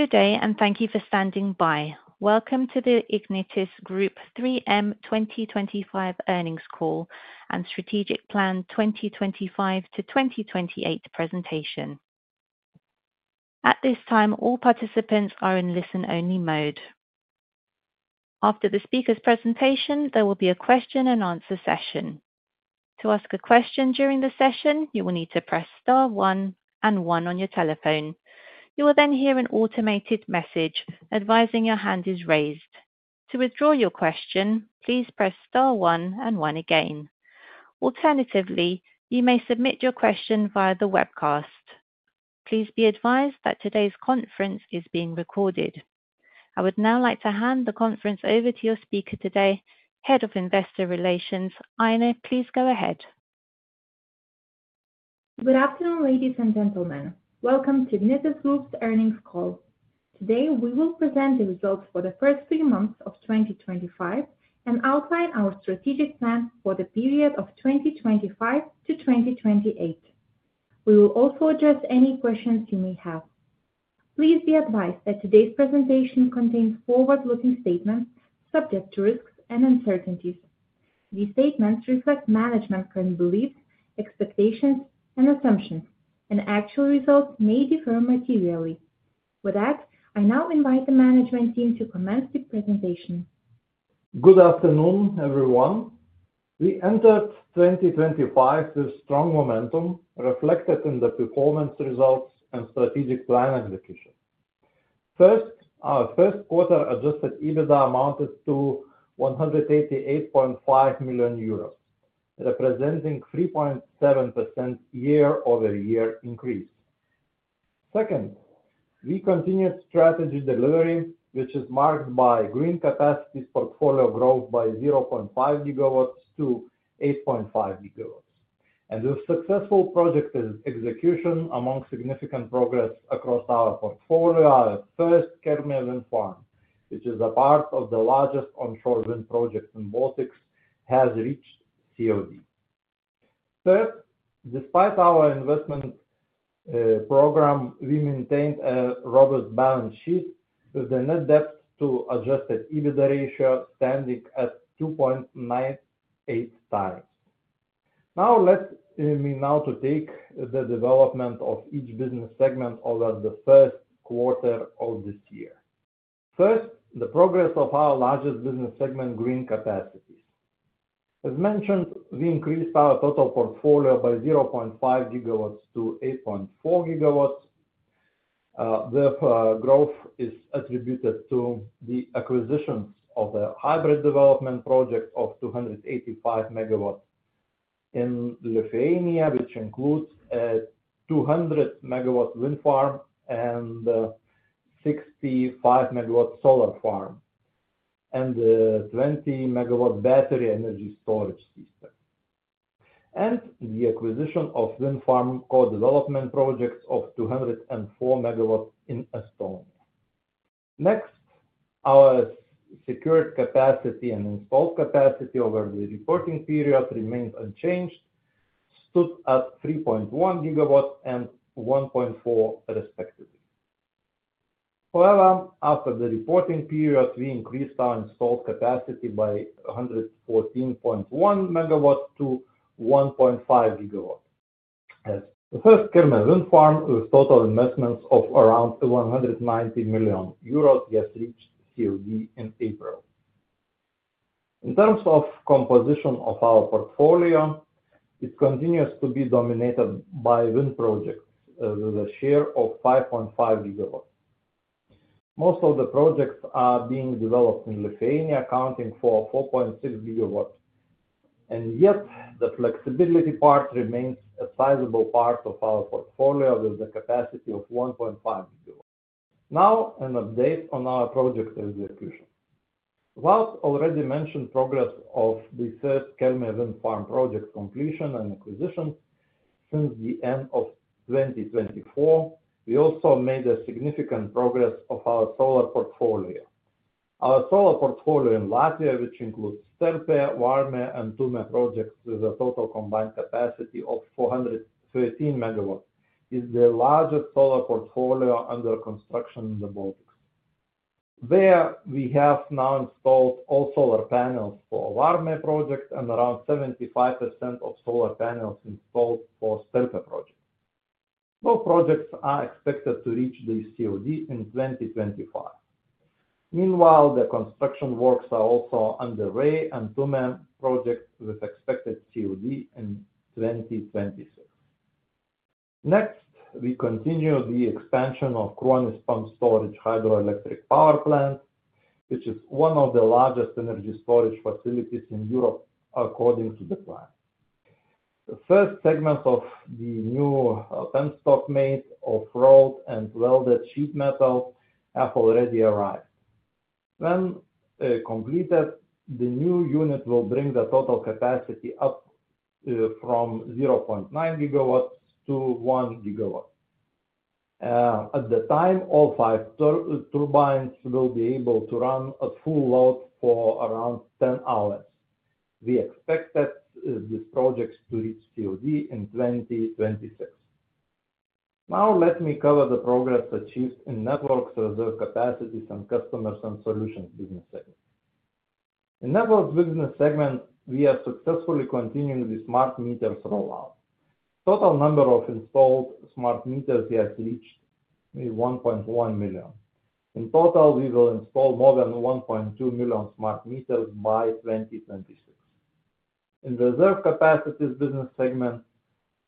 Good day, and thank you for standing by. Welcome to the Ignitis Group 3M 2025 earnings call and strategic plan 2025-2028 presentation. At this time, all participants are in listen-only mode. After the speaker's presentation, there will be a question-and-answer session. To ask a question during the session, you will need to press star one and one on your telephone. You will then hear an automated message advising your hand is raised. To withdraw your question, please press star one and one again. Alternatively, you may submit your question via the webcast. Please be advised that today's conference is being recorded. I would now like to hand the conference over to your speaker today, Head of Investor Relations. Aine, please go ahead. Good afternoon, ladies and gentlemen. Welcome to Ignitis Group's earnings call. Today, we will present the results for the first three months of 2025 and outline our strategic plan for the period of 2025-2028. We will also address any questions you may have. Please be advised that today's presentation contains forward-looking statements subject to risks and uncertainties. These statements reflect management's current beliefs, expectations, and assumptions, and actual results may differ materially. With that, I now invite the management team to commence the presentation. Good afternoon, everyone. We entered 2025 with strong momentum reflected in the performance results and strategic plan execution. First, our first-quarter adjusted EBITDA amounted to 188.5 million euros, representing a 3.7% year-over-year increase. Second, we continued strategy delivery, which is marked by green capacity portfolio growth by 0.5 GW to 8.5 GW, and with successful project execution among significant progress across our portfolio at First Kelmė Wind Farm, which is a part of the largest onshore wind project in the Baltics, has reached COD. Third, despite our investment program, we maintained a robust balance sheet with a net debt to adjusted EBITDA ratio standing at 2.98 times. Now, let me now take the development of each business segment over the first quarter of this year. First, the progress of our largest business segment, green capacities. As mentioned, we increased our total portfolio by 0.5 GW to 8.4 GW. The growth is attributed to the acquisitions of a hybrid development project of 285 MW in Lithuania, which includes a 200-MW wind farm and a 65-MW solar farm and a 20-MW battery energy storage system, and the acquisition of wind farm co-development projects of 204 MW in Estonia. Next, our secured capacity and installed capacity over the reporting period remained unchanged, stood at 3.1 GW and 1.4 respectively. However, after the reporting period, we increased our installed capacity by 114.1 MW to 1.5 GW. The first Kelmė Wind Farm, with total investments of around 190 million euros, has reached COD in April. In terms of composition of our portfolio, it continues to be dominated by wind projects with a share of 5.5 GW. Most of the projects are being developed in Lithuania, accounting for 4.6 GW. Yet, the flexibility part remains a sizable part of our portfolio with a capacity of 1.5 GW. Now, an update on our project execution. Without already mentioning the progress of the first Kelmė Wind Farm project completion and acquisition since the end of 2024, we also made significant progress on our solar portfolio. Our solar portfolio in Latvia, which includes Terpe, Vārme, and Tume projects with a total combined capacity of 413 MW, is the largest solar portfolio under construction in the Baltics. There, we have now installed all solar panels for the Vārme project and around 75% of solar panels installed for the Terpe project. Both projects are expected to reach their COD in 2025. Meanwhile, the construction works are also underway on the Tume project with expected COD in 2026. Next, we continue the expansion of the Kruonis Pumped Storage Hydroelectric Power Plant, which is one of the largest energy storage facilities in Europe according to the plan. The first segments of the new penstock made of rolled and welded sheet metal have already arrived. When completed, the new unit will bring the total capacity up from 0.9 GW to 1 GW. At that time, all five turbines will be able to run at full load for around 10 hours. We expect these projects to reach COD in 2026. Now, let me cover the progress achieved in networks, reserve capacities, and customers and solutions business segments. In the networks business segment, we are successfully continuing the smart meters rollout. The total number of installed smart meters has reached 1.1 million. In total, we will install more than 1.2 million smart meters by 2026. In the reserve capacities business segment,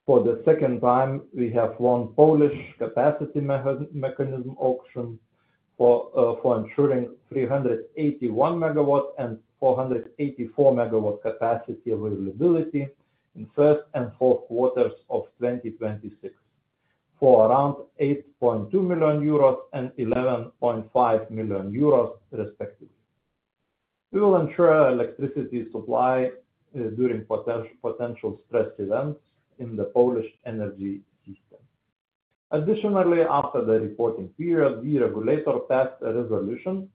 for the second time, we have won the Polish capacity mechanism auction for ensuring 381 MW and 484 MW capacity availability in the first and fourth quarters of 2026 for around 8.2 million euros and 11.5 million euros respectively. We will ensure electricity supply during potential stress events in the Polish energy system. Additionally, after the reporting period, the regulator passed a resolution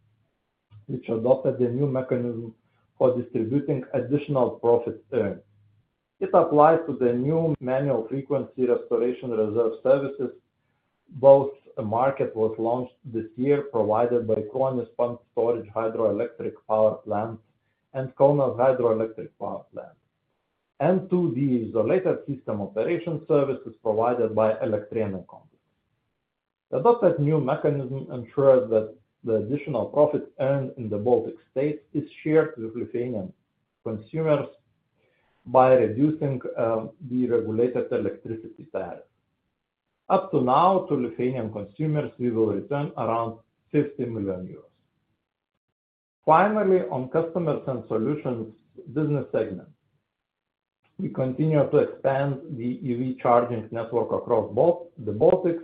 which adopted the new mechanism for distributing additional profits earned. It applies to the new manual frequency restoration reserve services. Both markets were launched this year, provided by Kruonis Pumped Storage Hydroelectric Power Plant and Kaunas Hydroelectric Power Plant, and to the isolated system operation services provided by Elektrėnai. The adopted new mechanism ensures that the additional profits earned in the Baltic states are shared with Lithuanian consumers by reducing the regulated electricity tariff. Up to now, to Lithuanian consumers, we will return around 50 million euros. Finally, on customers and solutions business segment, we continue to expand the EV charging network across the Baltics.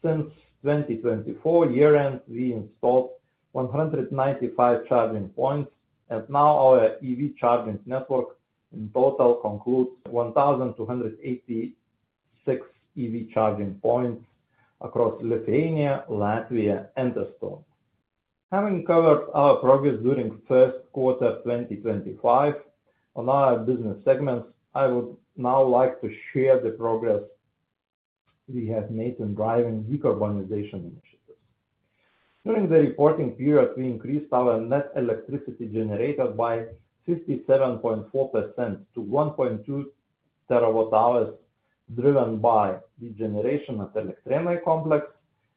Since 2024 year-end, we installed 195 charging points, and now our EV charging network in total concludes 1,286 EV charging points across Lithuania, Latvia, and Estonia. Having covered our progress during the first quarter of 2025 on our business segments, I would now like to share the progress we have made in driving decarbonization initiatives. During the reporting period, we increased our net electricity generated by 57.4% to 1.2 TW-hours driven by the generation at Elektrėnai complex,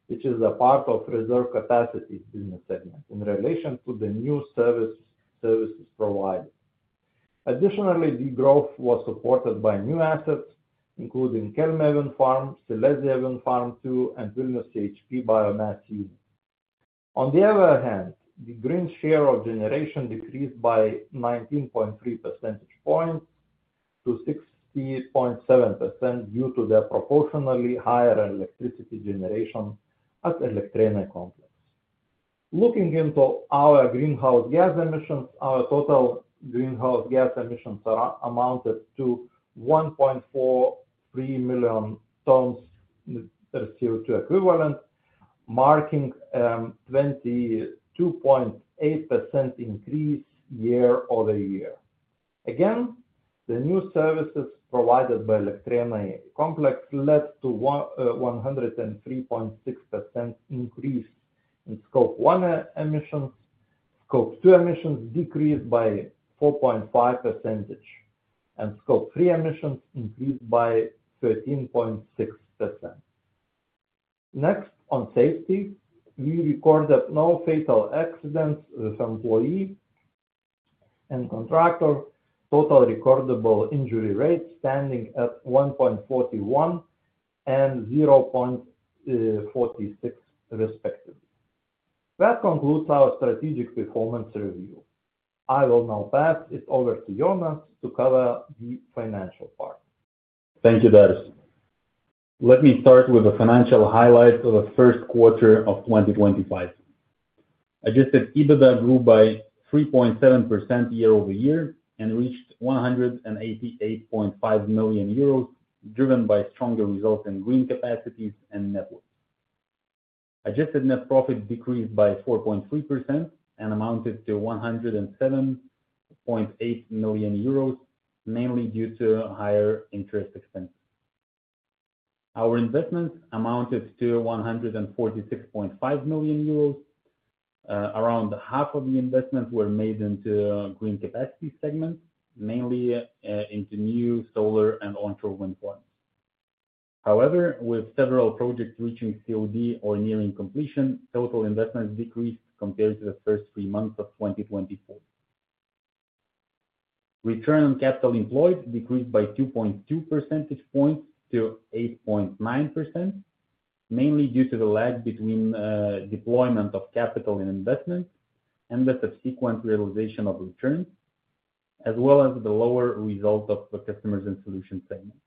which is a part of the reserve capacity business segment in relation to the new services provided. Additionally, the growth was supported by new assets, including Kelmė Wind Farm, Silesia Wind Farm 2, and Vilnius CHP biomass unit. On the other hand, the green share of generation decreased by 19.3 percentage points to 60.7% due to the proportionally higher electricity generation at Elektrėnai complex. Looking into our greenhouse gas emissions, our total greenhouse gas emissions amounted to 1.43 million tons per CO2 equivalent, marking a 22.8% increase year-over-year. Again, the new services provided by Elektrėnai complex led to a 103.6% increase in scope 1 emissions. Scope 2 emissions decreased by 4.5%, and scope 3 emissions increased by 13.6%. Next, on safety, we recorded no fatal accidents with employees and contractors, total recordable injury rates standing at 1.41 and 0.46 respectively. That concludes our strategic performance review. I will now pass it over to Jonas to cover the financial part. Thank you, Darius. Let me start with the financial highlights of the first quarter of 2025. Adjusted EBITDA grew by 3.7% year-over-year and reached 188.5 million euros driven by stronger results in green capacities and networks. Adjusted net profit decreased by 4.3% and amounted to 107.8 million euros mainly due to higher interest expenses. Our investments amounted to 146.5 million euros. Around half of the investments were made into green capacity segments, mainly into new solar and onshore wind farms. However, with several projects reaching COD or nearing completion, total investments decreased compared to the first three months of 2024. Return on capital employed decreased by 2.2 percentage points to 8.9%, mainly due to the lag between deployment of capital and investment and the subsequent realization of returns, as well as the lower result of the customers and solutions segment.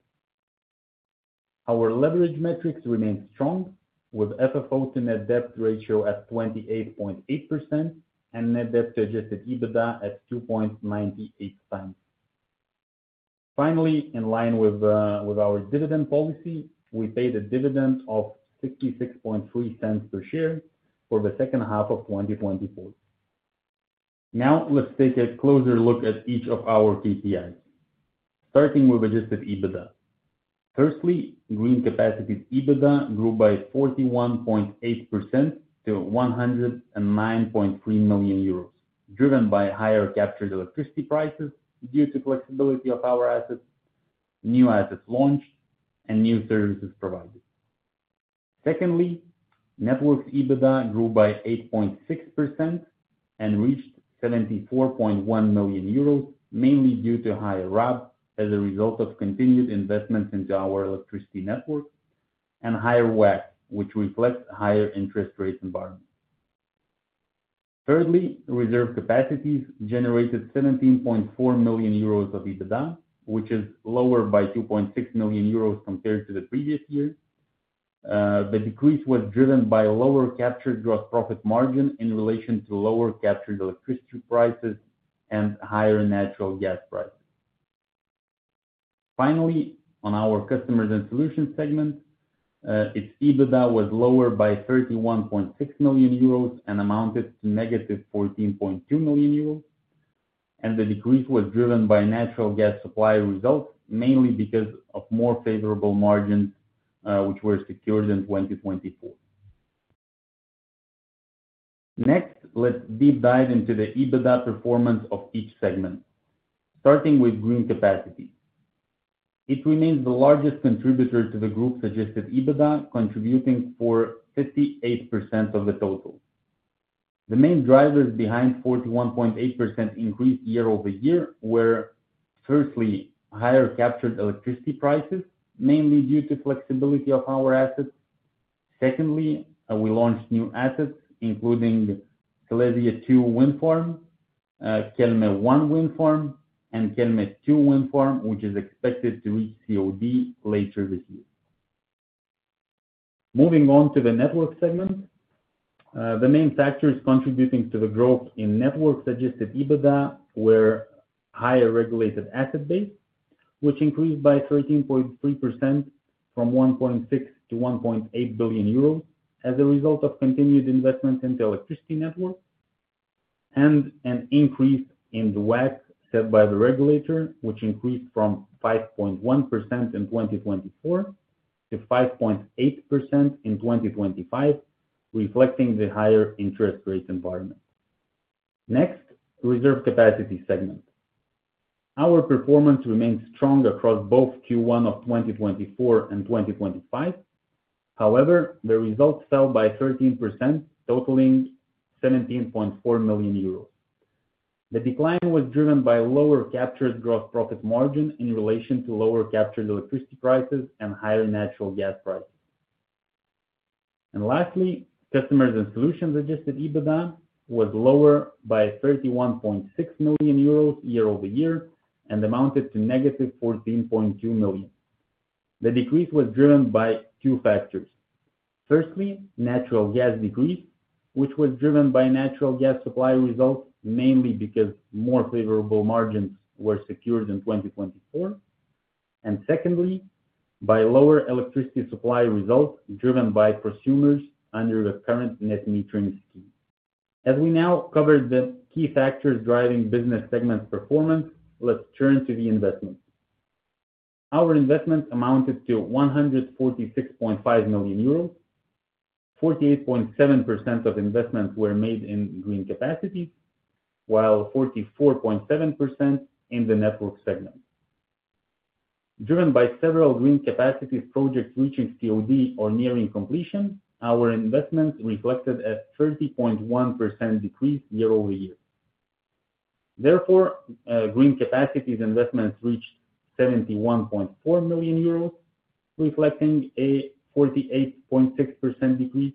Our leverage metrics remained strong, with FFO to net debt ratio at 28.8% and net debt to adjusted EBITDA at 2.98 times. Finally, in line with our dividend policy, we paid a dividend of 0.663 per share for the second half of 2024. Now, let's take a closer look at each of our KPIs, starting with adjusted EBITDA. Firstly, green capacity EBITDA grew by 41.8% to 109.3 million euros, driven by higher captured electricity prices due to the flexibility of our assets, new assets launched, and new services provided. Secondly, network EBITDA grew by 8.6% and reached 74.1 million euros, mainly due to higher RAB as a result of continued investments into our electricity network and higher WACC, which reflects higher interest rates in Vārme. Thirdly, reserve capacities generated 17.4 million euros of EBITDA, which is lower by 2.6 million euros compared to the previous year. The decrease was driven by lower captured gross profit margin in relation to lower captured electricity prices and higher natural gas prices. Finally, on our customers and solutions segment, its EBITDA was lower by 31.6 million euros and amounted to negative 14.2 million euros, and the decrease was driven by natural gas supply results, mainly because of more favorable margins which were secured in 2024. Next, let's deep dive into the EBITDA performance of each segment, starting with green capacity. It remains the largest contributor to the group's adjusted EBITDA, contributing for 58% of the total. The main drivers behind 41.8% increase year-over-year were, firstly, higher captured electricity prices, mainly due to the flexibility of our assets. Secondly, we launched new assets, including Silesia 2 wind farm, Kelmė 1 wind farm, and Kelmė 2 wind farm, which is expected to reach COD later this year. Moving on to the network segment, the main factors contributing to the growth in network Adjusted EBITDA were higher regulated asset base, which increased by 13.3% from 1.6 billion to 1.8 billion euros as a result of continued investments into the electricity network, and an increase in the WACC set by the regulator, which increased from 5.1% in 2024 to 5.8% in 2025, reflecting the higher interest rate environment. Next, reserve capacity segment. Our performance remained strong across both Q1 of 2024 and 2025. However, the results fell by 13%, totaling 17.4 million euros. The decline was driven by lower captured gross profit margin in relation to lower captured electricity prices and higher natural gas prices. Lastly, customers and solutions Adjusted EBITDA was lower by 31.6 million euros year-over-year and amounted to negative 14.2 million. The decrease was driven by two factors. Firstly, natural gas decrease, which was driven by natural gas supply results, mainly because more favorable margins were secured in 2024. Secondly, by lower electricity supply results driven by consumers under the current net metering scheme. As we now covered the key factors driving business segment performance, let's turn to the investments. Our investments amounted to 146.5 million euros. 48.7% of investments were made in green capacity, while 44.7% in the network segment. Driven by several green capacity projects reaching COD or nearing completion, our investments reflected a 30.1% decrease year-over-year. Therefore, green capacity investments reached 71.4 million euros, reflecting a 48.6% decrease,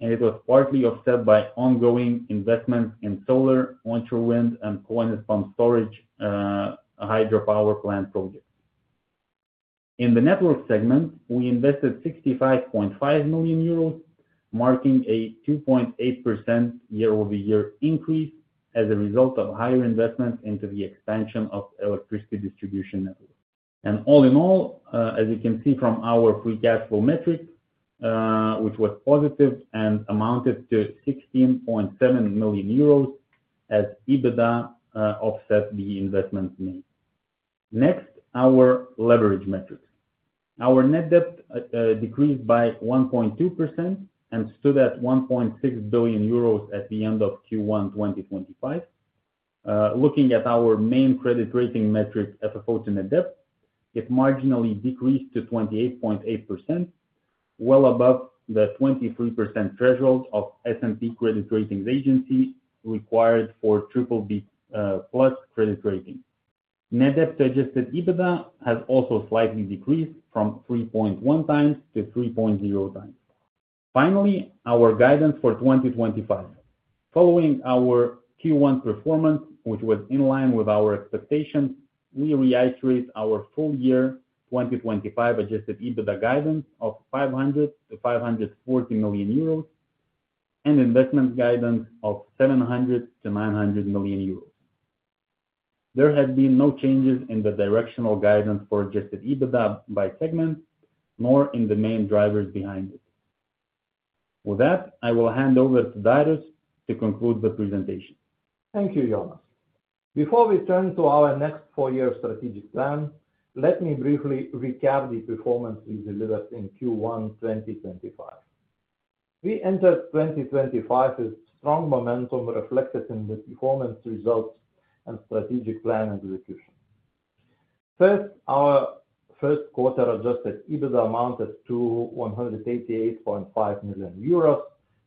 and it was partly offset by ongoing investments in solar, onshore wind, and Kruonis pump storage hydropower plant projects. In the network segment, we invested 65.5 million euros, marking a 2.8% year-over-year increase as a result of higher investments into the expansion of the electricity distribution network. All in all, as you can see from our free cash flow metric, which was positive and amounted to 16.7 million euros as EBITDA offset the investments made. Next, our leverage metrics. Our net debt decreased by 1.2% and stood at 1.6 billion euros at the end of Q1 2025. Looking at our main credit rating metric, FFO to net debt, it marginally decreased to 28.8%, well above the 23% threshold S&P Global Ratings Agency requires for triple B plus credit rating. Net debt to adjusted EBITDA has also slightly decreased from 3.1 times to 3.0 times. Finally, our guidance for 2025. Following our Q1 performance, which was in line with our expectations, we reiterate our full-year 2025 adjusted EBITDA guidance of 500-540 million euros and investment guidance of 700-900 million euros. There have been no changes in the directional guidance for adjusted EBITDA by segment, nor in the main drivers behind it. With that, I will hand over to Darius to conclude the presentation. Thank you, Jonas. Before we turn to our next four-year strategic plan, let me briefly recap the performance we delivered in Q1 2025. We entered 2025 with strong momentum reflected in the performance results and strategic plan execution. First, our first quarter adjusted EBITDA amounted to EUR 188.5 million,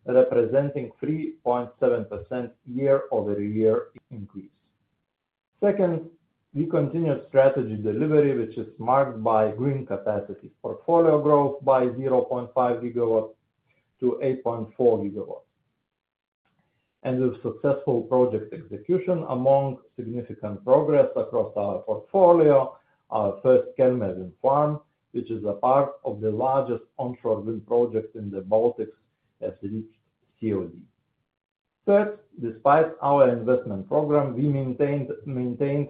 representing a 3.7% year-over-year increase. Second, we continued strategy delivery, which is marked by green capacity portfolio growth by 0.5 GW to 8.4 GW. With successful project execution, among significant progress across our portfolio, our first Kelmė wind farm, which is a part of the largest onshore wind project in the Baltics, has reached COD. Third, despite our investment program, we maintained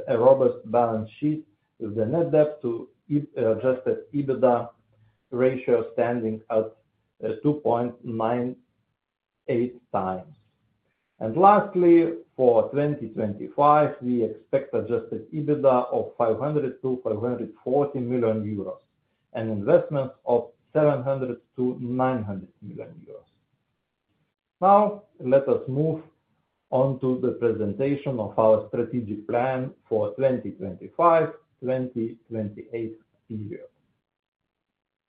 a robust balance sheet with the net debt to adjusted EBITDA ratio standing at 2.98 times. Lastly, for 2025, we expect adjusted EBITDA of 500-540 million euros and investments of 700-900 million euros. Now, let us move on to the presentation of our strategic plan for the 2025-2028 period.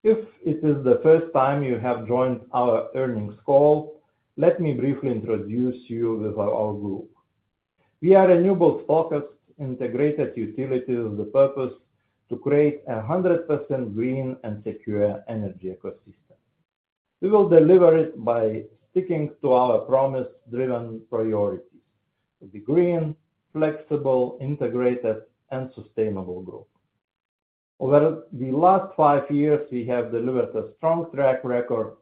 If it is the first time you have joined our earnings call, let me briefly introduce you to our group. We are renewables-focused integrated utilities with the purpose to create a 100% green and secure energy ecosystem. We will deliver it by sticking to our promise-driven priorities: to be green, flexible, integrated, and sustainable growth. Over the last five years, we have delivered a strong track record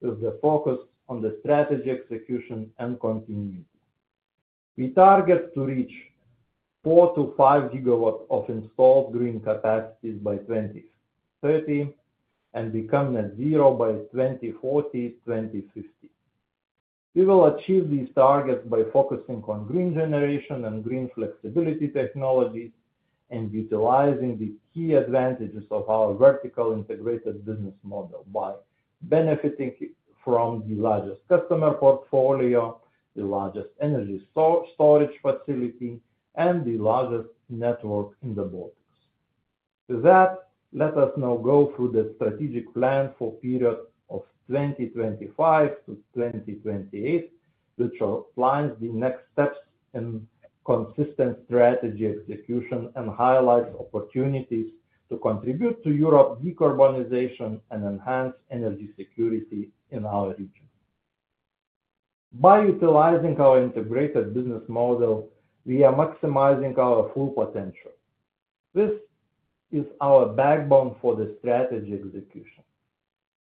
with the focus on the strategy execution and continuity. We target to reach 4-5 GW of installed green capacities by 2030 and become net zero by 2040-2050. We will achieve these targets by focusing on green generation and green flexibility technologies and utilizing the key advantages of our vertical integrated business model by benefiting from the largest customer portfolio, the largest energy storage facility, and the largest network in the Baltics. With that, let us now go through the strategic plan for the period of 2025 to 2028, which outlines the next steps in consistent strategy execution and highlights opportunities to contribute to Europe's decarbonization and enhance energy security in our region. By utilizing our integrated business model, we are maximizing our full potential. This is our backbone for the strategy execution.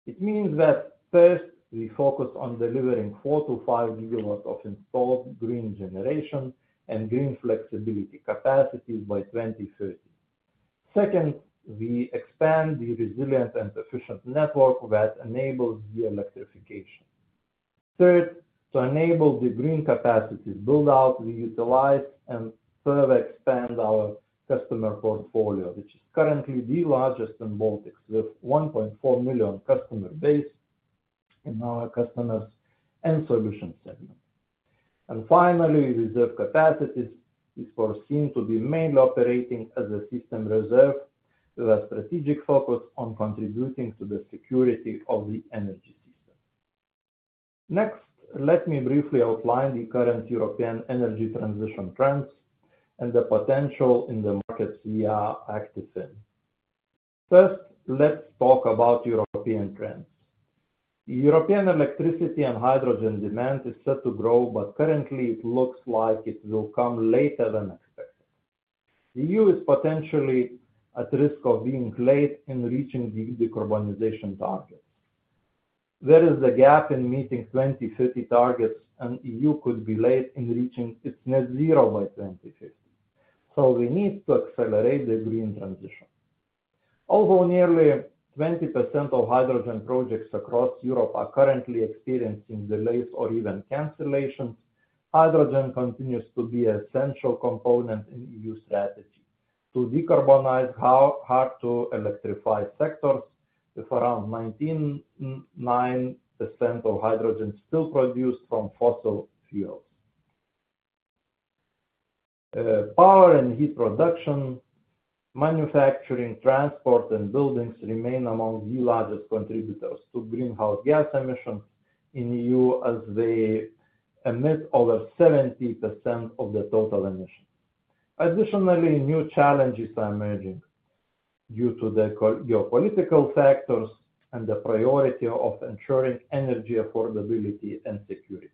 It means that, first, we focus on delivering 4-5 GW of installed green generation and green flexibility capacity by 2030. Second, we expand the resilient and efficient network that enables de-electrification. Third, to enable the green capacity build-out, we utilize and further expand our customer portfolio, which is currently the largest in the Baltics with a 1.4 million customer base in our customers and solutions segment. Finally, reserve capacity is foreseen to be mainly operating as a system reserve with a strategic focus on contributing to the security of the energy system. Next, let me briefly outline the current European energy transition trends and the potential in the markets we are active in. First, let's talk about European trends. European electricity and hydrogen demand is set to grow, but currently, it looks like it will come later than expected. The EU is potentially at risk of being late in reaching the decarbonization targets. There is a gap in meeting 2050 targets, and the EU could be late in reaching its net zero by 2050. We need to accelerate the green transition. Although nearly 20% of hydrogen projects across Europe are currently experiencing delays or even cancellations, hydrogen continues to be an essential component in the EU strategy to decarbonize hard-to-electrify sectors with around 19.9% of hydrogen still produced from fossil fuels. Power and heat production, manufacturing, transport, and buildings remain among the largest contributors to greenhouse gas emissions in the EU, as they emit over 70% of the total emissions. Additionally, new challenges are emerging due to the geopolitical factors and the priority of ensuring energy affordability and security.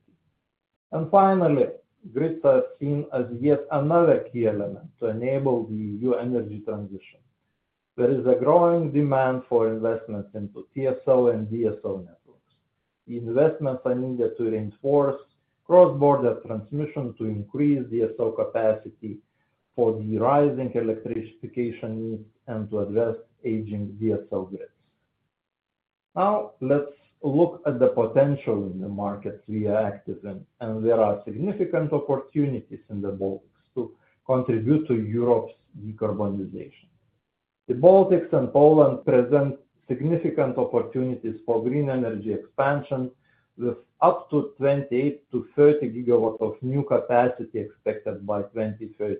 Finally, grids are seen as yet another key element to enable the EU energy transition. There is a growing demand for investments into TSO and DSO networks. The investments are needed to reinforce cross-border transmission to increase DSO capacity for the rising electrification needs and to address aging DSO grids. Now, let's look at the potential in the markets we are active in, and there are significant opportunities in the Baltics to contribute to Europe's decarbonization. The Baltics and Poland present significant opportunities for green energy expansion with up to 28-30 GW of new capacity expected by 2030.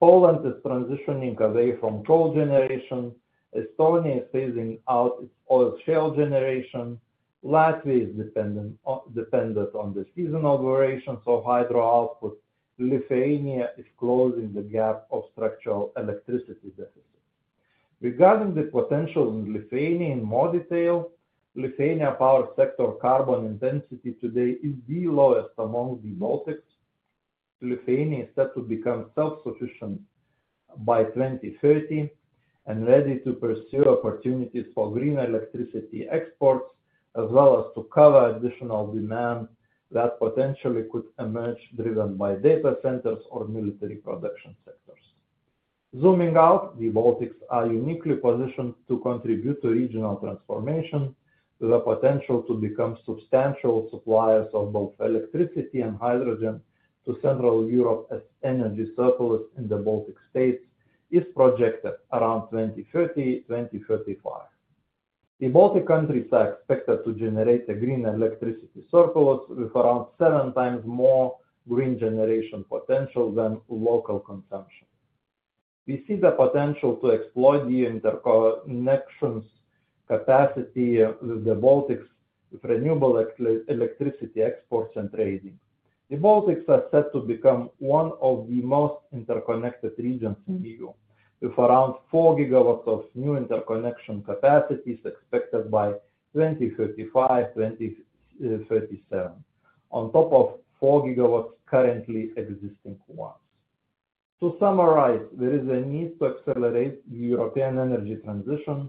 Poland is transitioning away from coal generation. Estonia is phasing out its oil shale generation. Latvia is dependent on the seasonal variations of hydro output. Lithuania is closing the gap of structural electricity deficits. Regarding the potential in Lithuania in more detail, Lithuania's power sector carbon intensity today is the lowest among the Baltics. Lithuania is set to become self-sufficient by 2030 and ready to pursue opportunities for green electricity exports, as well as to cover additional demand that potentially could emerge driven by data centers or military production sectors. Zooming out, the Baltics are uniquely positioned to contribute to regional transformation with the potential to become substantial suppliers of both electricity and hydrogen to Central Europe as energy surplus in the Baltic states is projected around 2030-2035. The Baltic countries are expected to generate a green electricity surplus with around seven times more green generation potential than local consumption. We see the potential to exploit the interconnections capacity with the Baltics with renewable electricity exports and trading. The Baltics are set to become one of the most interconnected regions in the EU with around 4 GW of new interconnection capacities expected by 2035-2037, on top of 4 GW currently existing ones. To summarize, there is a need to accelerate the European energy transition,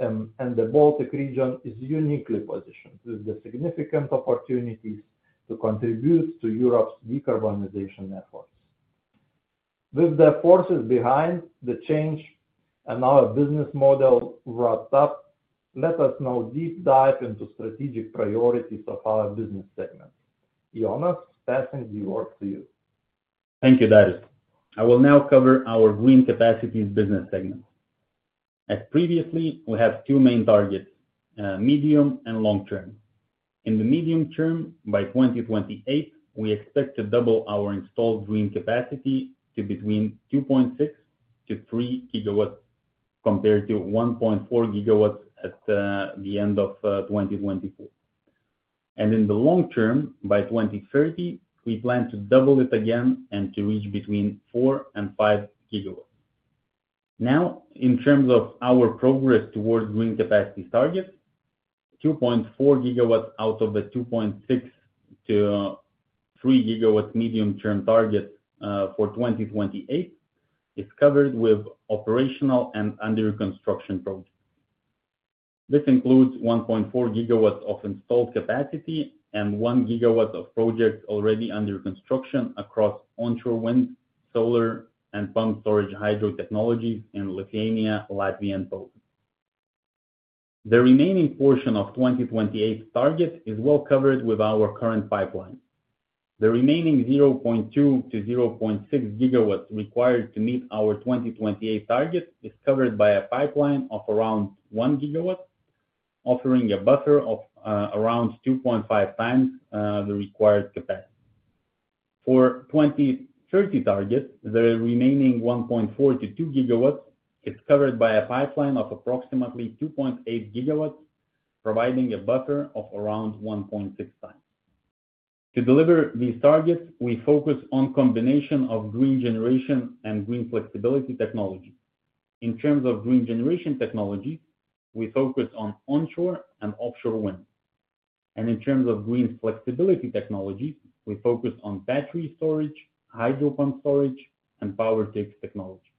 and the Baltic region is uniquely positioned with the significant opportunities to contribute to Europe's decarbonization efforts. With the forces behind the change and our business model wrapped up, let us now deep dive into strategic priorities of our business segment. Jonas, passing the word to you. Thank you, Darius. I will now cover our green capacity business segment. As previously, we have two main targets: medium and long term. In the medium term, by 2028, we expect to double our installed green capacity to between 2.6-3 GW compared to 1.4 GW at the end of 2024. In the long term, by 2030, we plan to double it again and to reach between 4-5 GW. Now, in terms of our progress towards green capacity targets, 2.4 GW out of the 2.6-3 GW medium-term target for 2028 is covered with operational and under-construction projects. This includes 1.4 GW of installed capacity and 1 GW of projects already under construction across onshore wind, solar, and pumped storage hydro technologies in Lithuania, Latvia, and Poland. The remaining portion of the 2028 target is well covered with our current pipeline. The remaining 0.2-0.6 GW required to meet our 2028 target is covered by a pipeline of around 1 GW, offering a buffer of around 2.5 times the required capacity. For the 2030 target, the remaining 1.4-2 GW is covered by a pipeline of approximately 2.8 GW, providing a buffer of around 1.6 times. To deliver these targets, we focus on a combination of green generation and green flexibility technologies. In terms of green generation technologies, we focus on onshore and offshore wind. In terms of green flexibility technologies, we focus on battery storage, hydro pump storage, and power-to-x technology.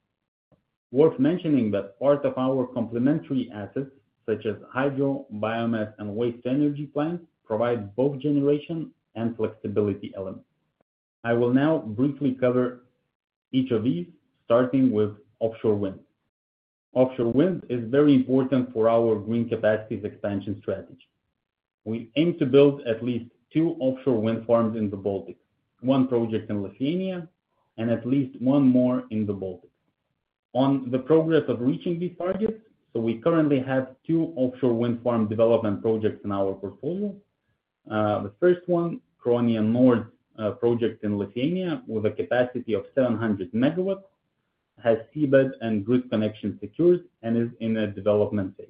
Worth mentioning that part of our complementary assets, such as hydro, biomass, and waste energy plants, provide both generation and flexibility elements. I will now briefly cover each of these, starting with offshore wind. Offshore wind is very important for our green capacity expansion strategy. We aim to build at least two offshore wind farms in the Baltics, one project in Lithuania, and at least one more in the Baltics. On the progress of reaching these targets, we currently have two offshore wind farm development projects in our portfolio. The first one, Kronia Nord project in Lithuania with a capacity of 700 MW, has seabed and grid connection secured and is in a development phase.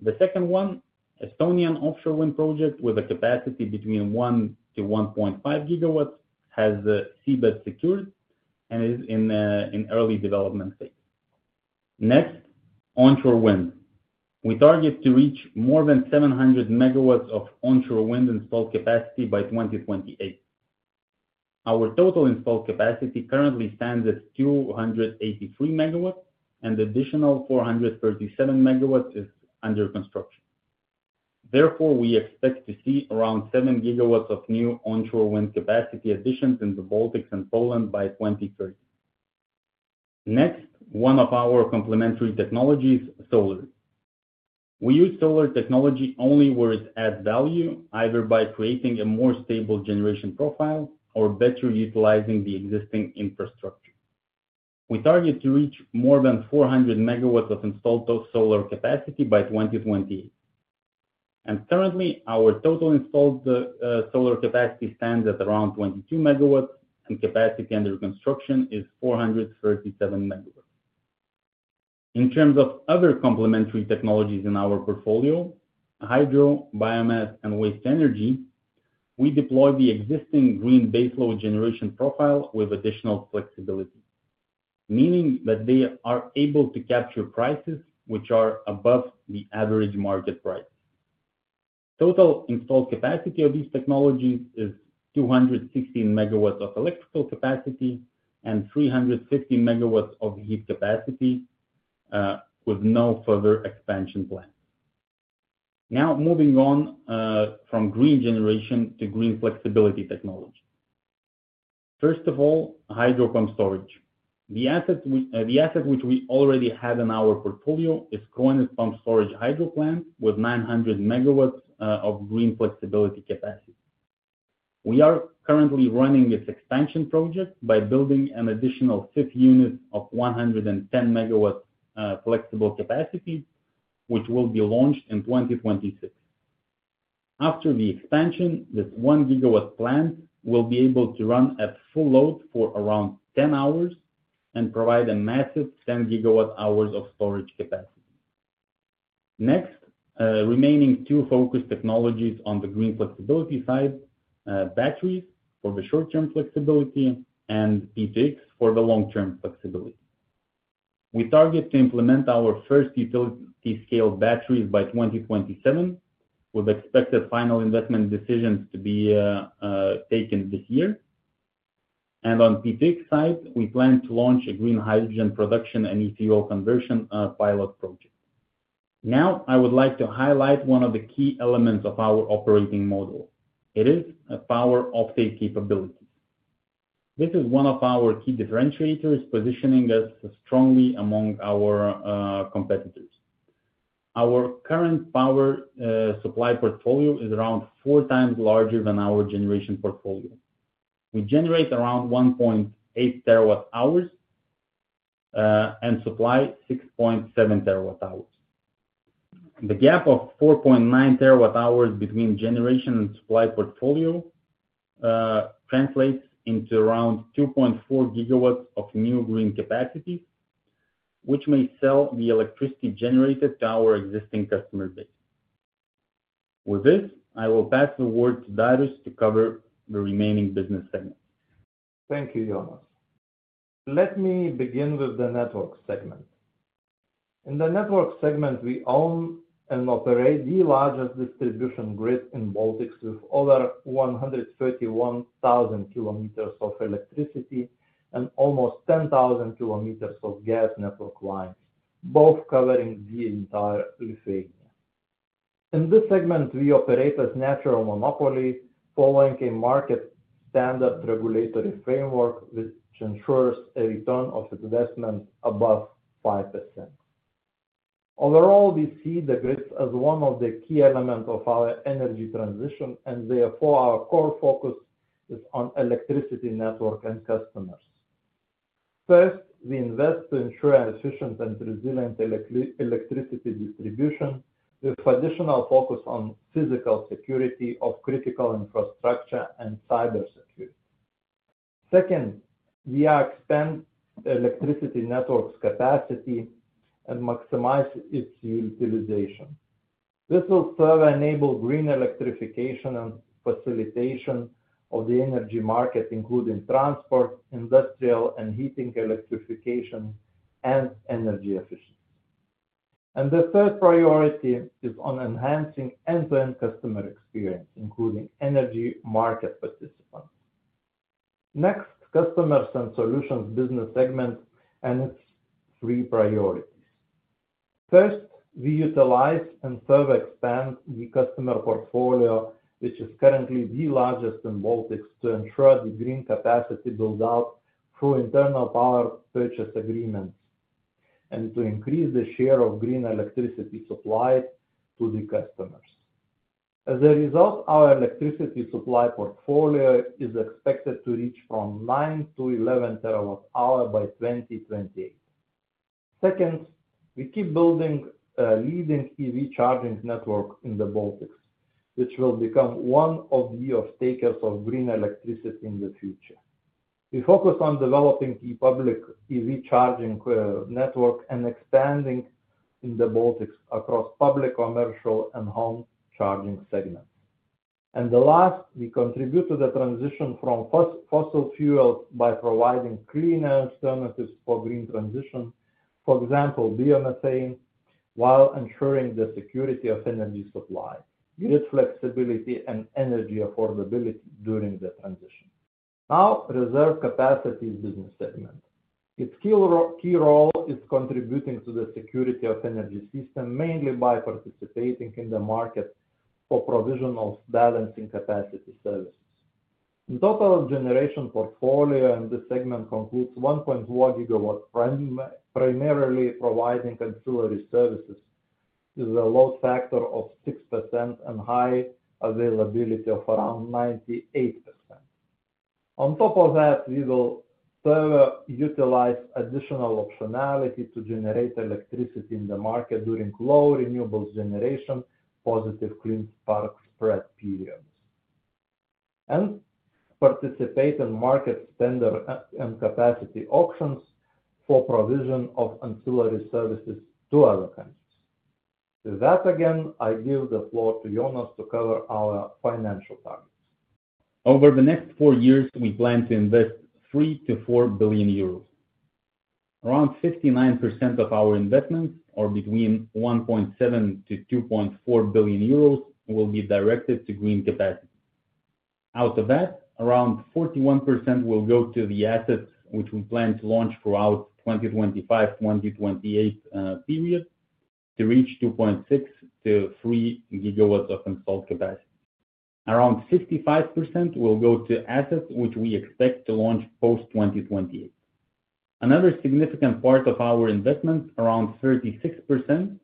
The second one, Estonian offshore wind project with a capacity between 1-1.5 GW, has seabed secured and is in early development phase. Next, onshore wind. We target to reach more than 700 MW of onshore wind installed capacity by 2028. Our total installed capacity currently stands at 283 MW, and additional 437 MW is under construction. Therefore, we expect to see around 7 GW of new onshore wind capacity additions in the Baltics and Poland by 2030. Next, one of our complementary technologies, solar. We use solar technology only where it adds value, either by creating a more stable generation profile or better utilizing the existing infrastructure. We target to reach more than 400 MW of installed solar capacity by 2028. Currently, our total installed solar capacity stands at around 22 MW, and capacity under construction is 437 MW. In terms of other complementary technologies in our portfolio, hydro, biomass, and waste energy, we deploy the existing green baseload generation profile with additional flexibility, meaning that they are able to capture prices which are above the average market price. Total installed capacity of these technologies is 216 MW of electrical capacity and 350 MW of heat capacity with no further expansion plans. Now, moving on from green generation to green flexibility technology. First of all, hydro pump storage. The asset which we already have in our portfolio is Kruonis pumped storage hydro plant with 900 MW of green flexibility capacity. We are currently running this expansion project by building an additional five units of 110 MW flexible capacity, which will be launched in 2026. After the expansion, this 1 GW plant will be able to run at full load for around 10 hours and provide a massive 10 GW hours of storage capacity. Next, remaining two focus technologies on the green flexibility side: batteries for the short-term flexibility and PTX for the long-term flexibility. We target to implement our first utility-scale batteries by 2027, with expected final investment decisions to be taken this year. On the PTX side, we plan to launch a green hydrogen production and ETO conversion pilot project. Now, I would like to highlight one of the key elements of our operating model. It is power offtake capabilities. This is one of our key differentiators, positioning us strongly among our competitors. Our current power supply portfolio is around four times larger than our generation portfolio. We generate around 1.8 TW hours and supply 6.7 TW hours. The gap of 4.9 TW hours between generation and supply portfolio translates into around 2.4 GW of new green capacity, which may sell the electricity generated to our existing customer base. With this, I will pass the word to Darius to cover the remaining business segments. Thank you, Jonas. Let me begin with the network segment. In the network segment, we own and operate the largest distribution grid in the Baltics with over 131,000 km of electricity and almost 10,000 km of gas network lines, both covering the entire Lithuania. In this segment, we operate as a natural monopoly following a market-standard regulatory framework, which ensures a return of investment above 5%. Overall, we see the grids as one of the key elements of our energy transition, and therefore, our core focus is on electricity network and customers. First, we invest to ensure efficient and resilient electricity distribution with additional focus on physical security of critical infrastructure and cybersecurity. Second, we are expanding electricity network's capacity and maximizing its utilization. This will serve to enable green electrification and facilitation of the energy market, including transport, industrial, and heating electrification and energy efficiency. The third priority is on enhancing end-to-end customer experience, including energy market participants. Next, customers and solutions business segment and its three priorities. First, we utilize and further expand the customer portfolio, which is currently the largest in the Baltics, to ensure the green capacity build-out through internal power purchase agreements and to increase the share of green electricity supplied to the customers. As a result, our electricity supply portfolio is expected to reach 9-11 TW hours by 2028. Second, we keep building a leading EV charging network in the Baltics, which will become one of the offtakers of green electricity in the future. We focus on developing the public EV charging network and expanding in the Baltics across public, commercial, and home charging segments. The last, we contribute to the transition from fossil fuels by providing cleaner alternatives for green transition, for example, biomethane, while ensuring the security of energy supply, grid flexibility, and energy affordability during the transition. Now, reserve capacity is business segment. Its key role is contributing to the security of energy system, mainly by participating in the market for provisional balancing capacity services. The total generation portfolio in this segment concludes 1.4 GW, primarily providing ancillary services with a load factor of 6% and high availability of around 98%. On top of that, we will further utilize additional optionality to generate electricity in the market during low renewables generation, positive clean spark spread periods, and participate in market standard and capacity auctions for provision of ancillary services to other countries. With that, again, I give the floor to Jonas to cover our financial targets. Over the next four years, we plan to invest 3 billion-4 billion euros. Around 59% of our investments, or between 1.7 billion-2.4 billion euros, will be directed to green capacity. Out of that, around 41% will go to the assets, which we plan to launch throughout the 2025-2028 period to reach 2.6-3 GW of installed capacity. Around 55% will go to assets, which we expect to launch post-2028. Another significant part of our investment, around 36%,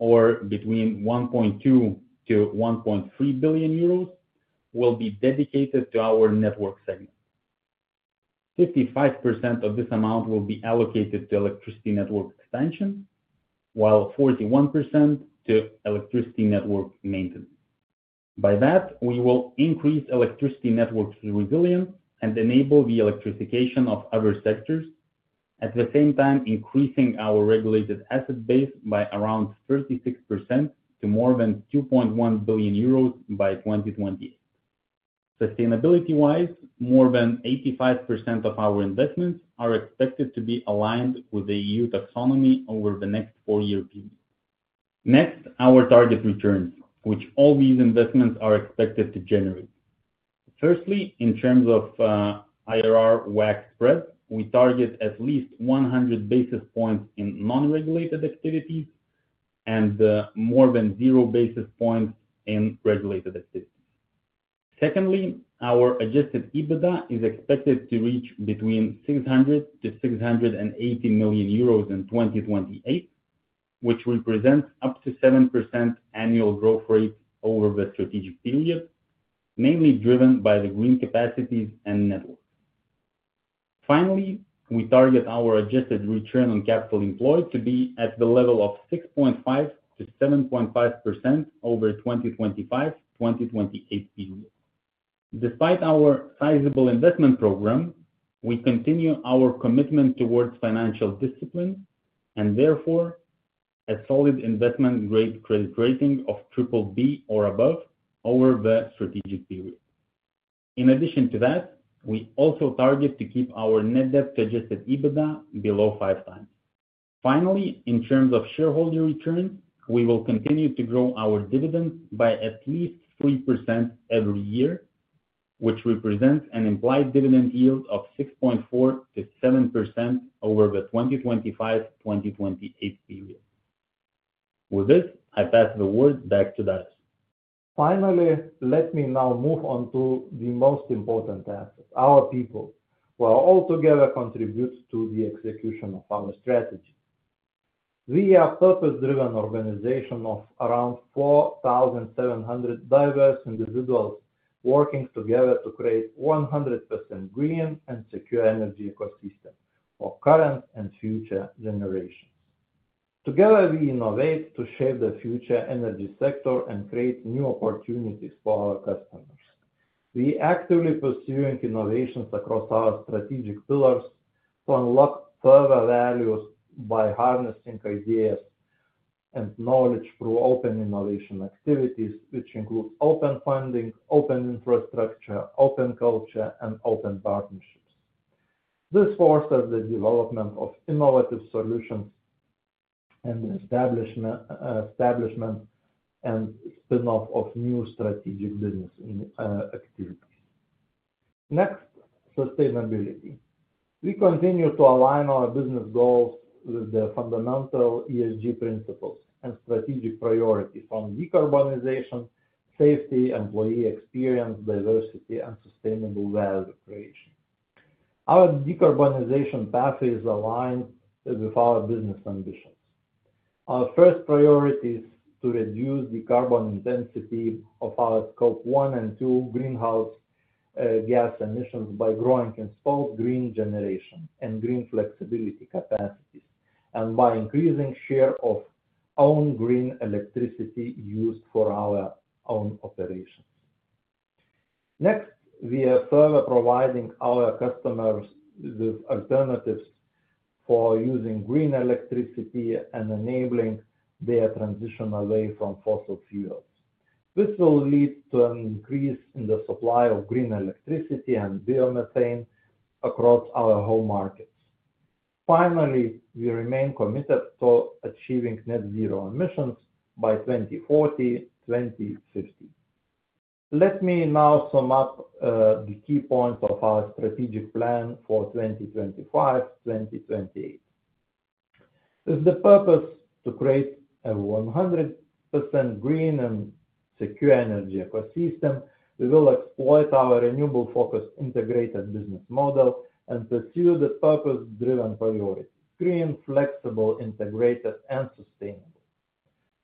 or between 1.2 billion-1.3 billion euros, will be dedicated to our network segment. 55% of this amount will be allocated to electricity network expansion, while 41% to electricity network maintenance. By that, we will increase electricity network resilience and enable the electrification of other sectors, at the same time increasing our regulated asset base by around 36% to more than 2.1 billion euros by 2028. Sustainability-wise, more than 85% of our investments are expected to be aligned with the EU Taxonomy over the next four-year period. Next, our target returns, which all these investments are expected to generate. Firstly, in terms of IRR WACC spread, we target at least 100 basis points in non-regulated activities and more than 0 basis points in regulated activities. Secondly, our adjusted EBITDA is expected to reach between 600 million-680 million euros in 2028, which represents up to 7% annual growth rate over the strategic period, mainly driven by the green capacities and network. Finally, we target our adjusted return on capital employed to be at the level of 6.5%-7.5% over the 2025-2028 period. Despite our sizable investment program, we continue our commitment towards financial discipline and therefore a solid investment-grade credit rating of BBB or above over the strategic period. In addition to that, we also target to keep our net debt adjusted EBITDA below 5 times. Finally, in terms of shareholder returns, we will continue to grow our dividends by at least 3% every year, which represents an implied dividend yield of 6.4%-7% over the 2025-2028 period. With this, I pass the word back to Darius. Finally, let me now move on to the most important assets, our people, who all together contribute to the execution of our strategy. We are a purpose-driven organization of around 4,700 diverse individuals working together to create a 100% green and secure energy ecosystem for current and future generations. Together, we innovate to shape the future energy sector and create new opportunities for our customers. We are actively pursuing innovations across our strategic pillars to unlock further values by harnessing ideas and knowledge through open innovation activities, which include open funding, open infrastructure, open culture, and open partnerships. This forces the development of innovative solutions and the establishment and spinoff of new strategic business activities. Next, sustainability. We continue to align our business goals with the fundamental ESG principles and strategic priorities on decarbonization, safety, employee experience, diversity, and sustainable value creation. Our decarbonization pathway is aligned with our business ambitions. Our first priority is to reduce the carbon intensity of our scope one and two greenhouse gas emissions by growing installed green generation and green flexibility capacities and by increasing the share of own green electricity used for our own operations. Next, we are further providing our customers with alternatives for using green electricity and enabling their transition away from fossil fuels. This will lead to an increase in the supply of green electricity and biomethane across our whole markets. Finally, we remain committed to achieving net zero emissions by 2040-2050. Let me now sum up the key points of our strategic plan for 2025-2028. With the purpose to create a 100% green and secure energy ecosystem, we will exploit our renewable-focused integrated business model and pursue the purpose-driven priorities: green, flexible, integrated, and sustainable.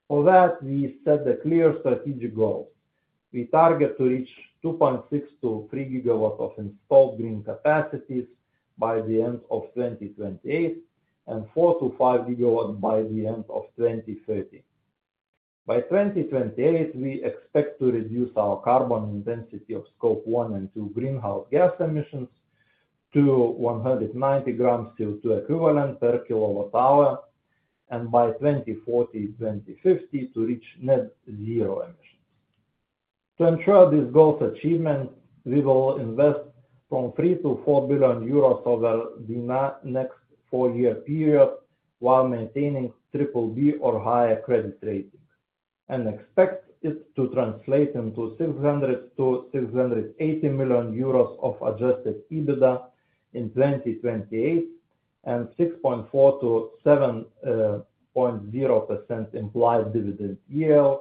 For that, we set the clear strategic goals. We target to reach 2.6-3 GW of installed green capacities by the end of 2028 and 4-5 GW by the end of 2030. By 2028, we expect to reduce our carbon intensity of scope one and two greenhouse gas emissions to 190 grams CO2 equivalent per kW hour and by 2040-2050 to reach net zero emissions. To ensure these goals' achievement, we will invest 3 billion-4 billion euros over the next four-year period while maintaining BBB or higher credit rating and expect it to translate into 600 million-680 million euros of adjusted EBITDA in 2028 and 6.4%-7.0% implied dividend yield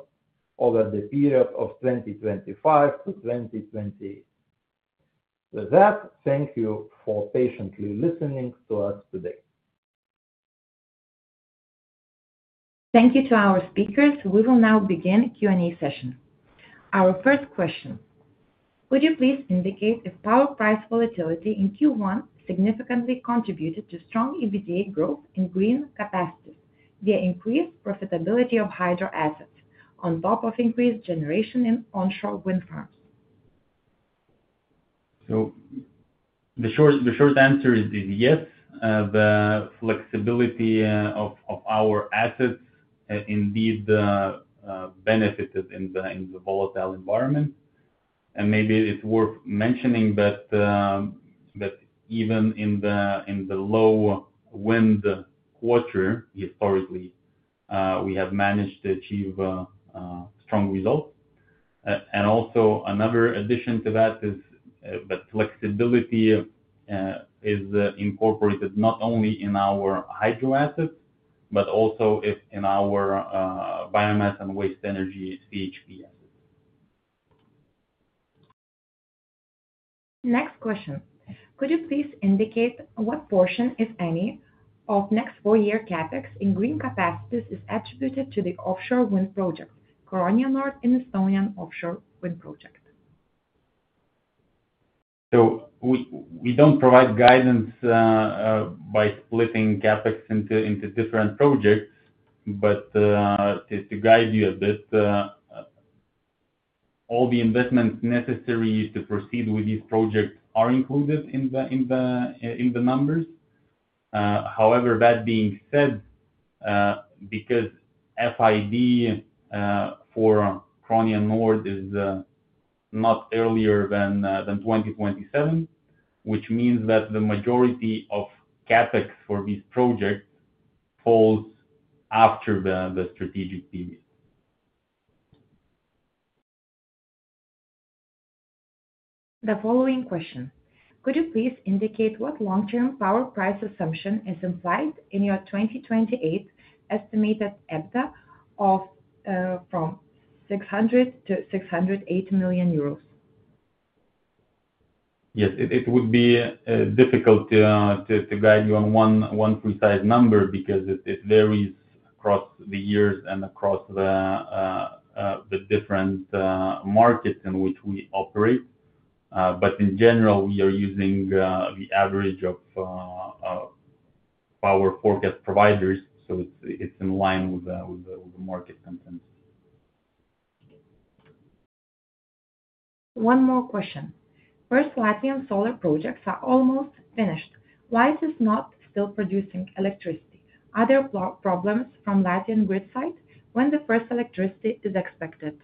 over the period of 2025 to 2028. With that, thank you for patiently listening to us today. Thank you to our speakers. We will now begin the Q&A session. Our first question: Would you please indicate if power price volatility in Q1 significantly contributed to strong EBITDA growth in green capacities via increased profitability of hydro assets on top of increased generation in onshore wind farms? The short answer is yes. The flexibility of our assets indeed benefited in the volatile environment. Maybe it is worth mentioning that even in the low wind quarter, historically, we have managed to achieve strong results. Also, another addition to that is that flexibility is incorporated not only in our hydro assets but also in our biomass and waste energy CHP assets. Next question: Could you please indicate what portion, if any, of next four-year CapEx in green capacities is attributed to the offshore wind project, Curonian Nord and Estonian Offshore Wind Project? We do not provide guidance by splitting CapEx into different projects. To guide you a bit, all the investments necessary to proceed with these projects are included in the numbers. However, that being said, because FID for Curonian Nord is not earlier than 2027, which means that the majority of CapEx for these projects falls after the strategic period. The following question: Could you please indicate what long-term power price assumption is implied in your 2028 estimated EBITDA from EUR 600 million-EUR 680 million? Yes, it would be difficult to guide you on one precise number because it varies across the years and across the different markets in which we operate. In general, we are using the average of our forecast providers, so it's in line with the market content. One more question: First, Latvian solar projects are almost finished. Why is it not still producing electricity? Are there problems from Latvian grid side when the first electricity is expected?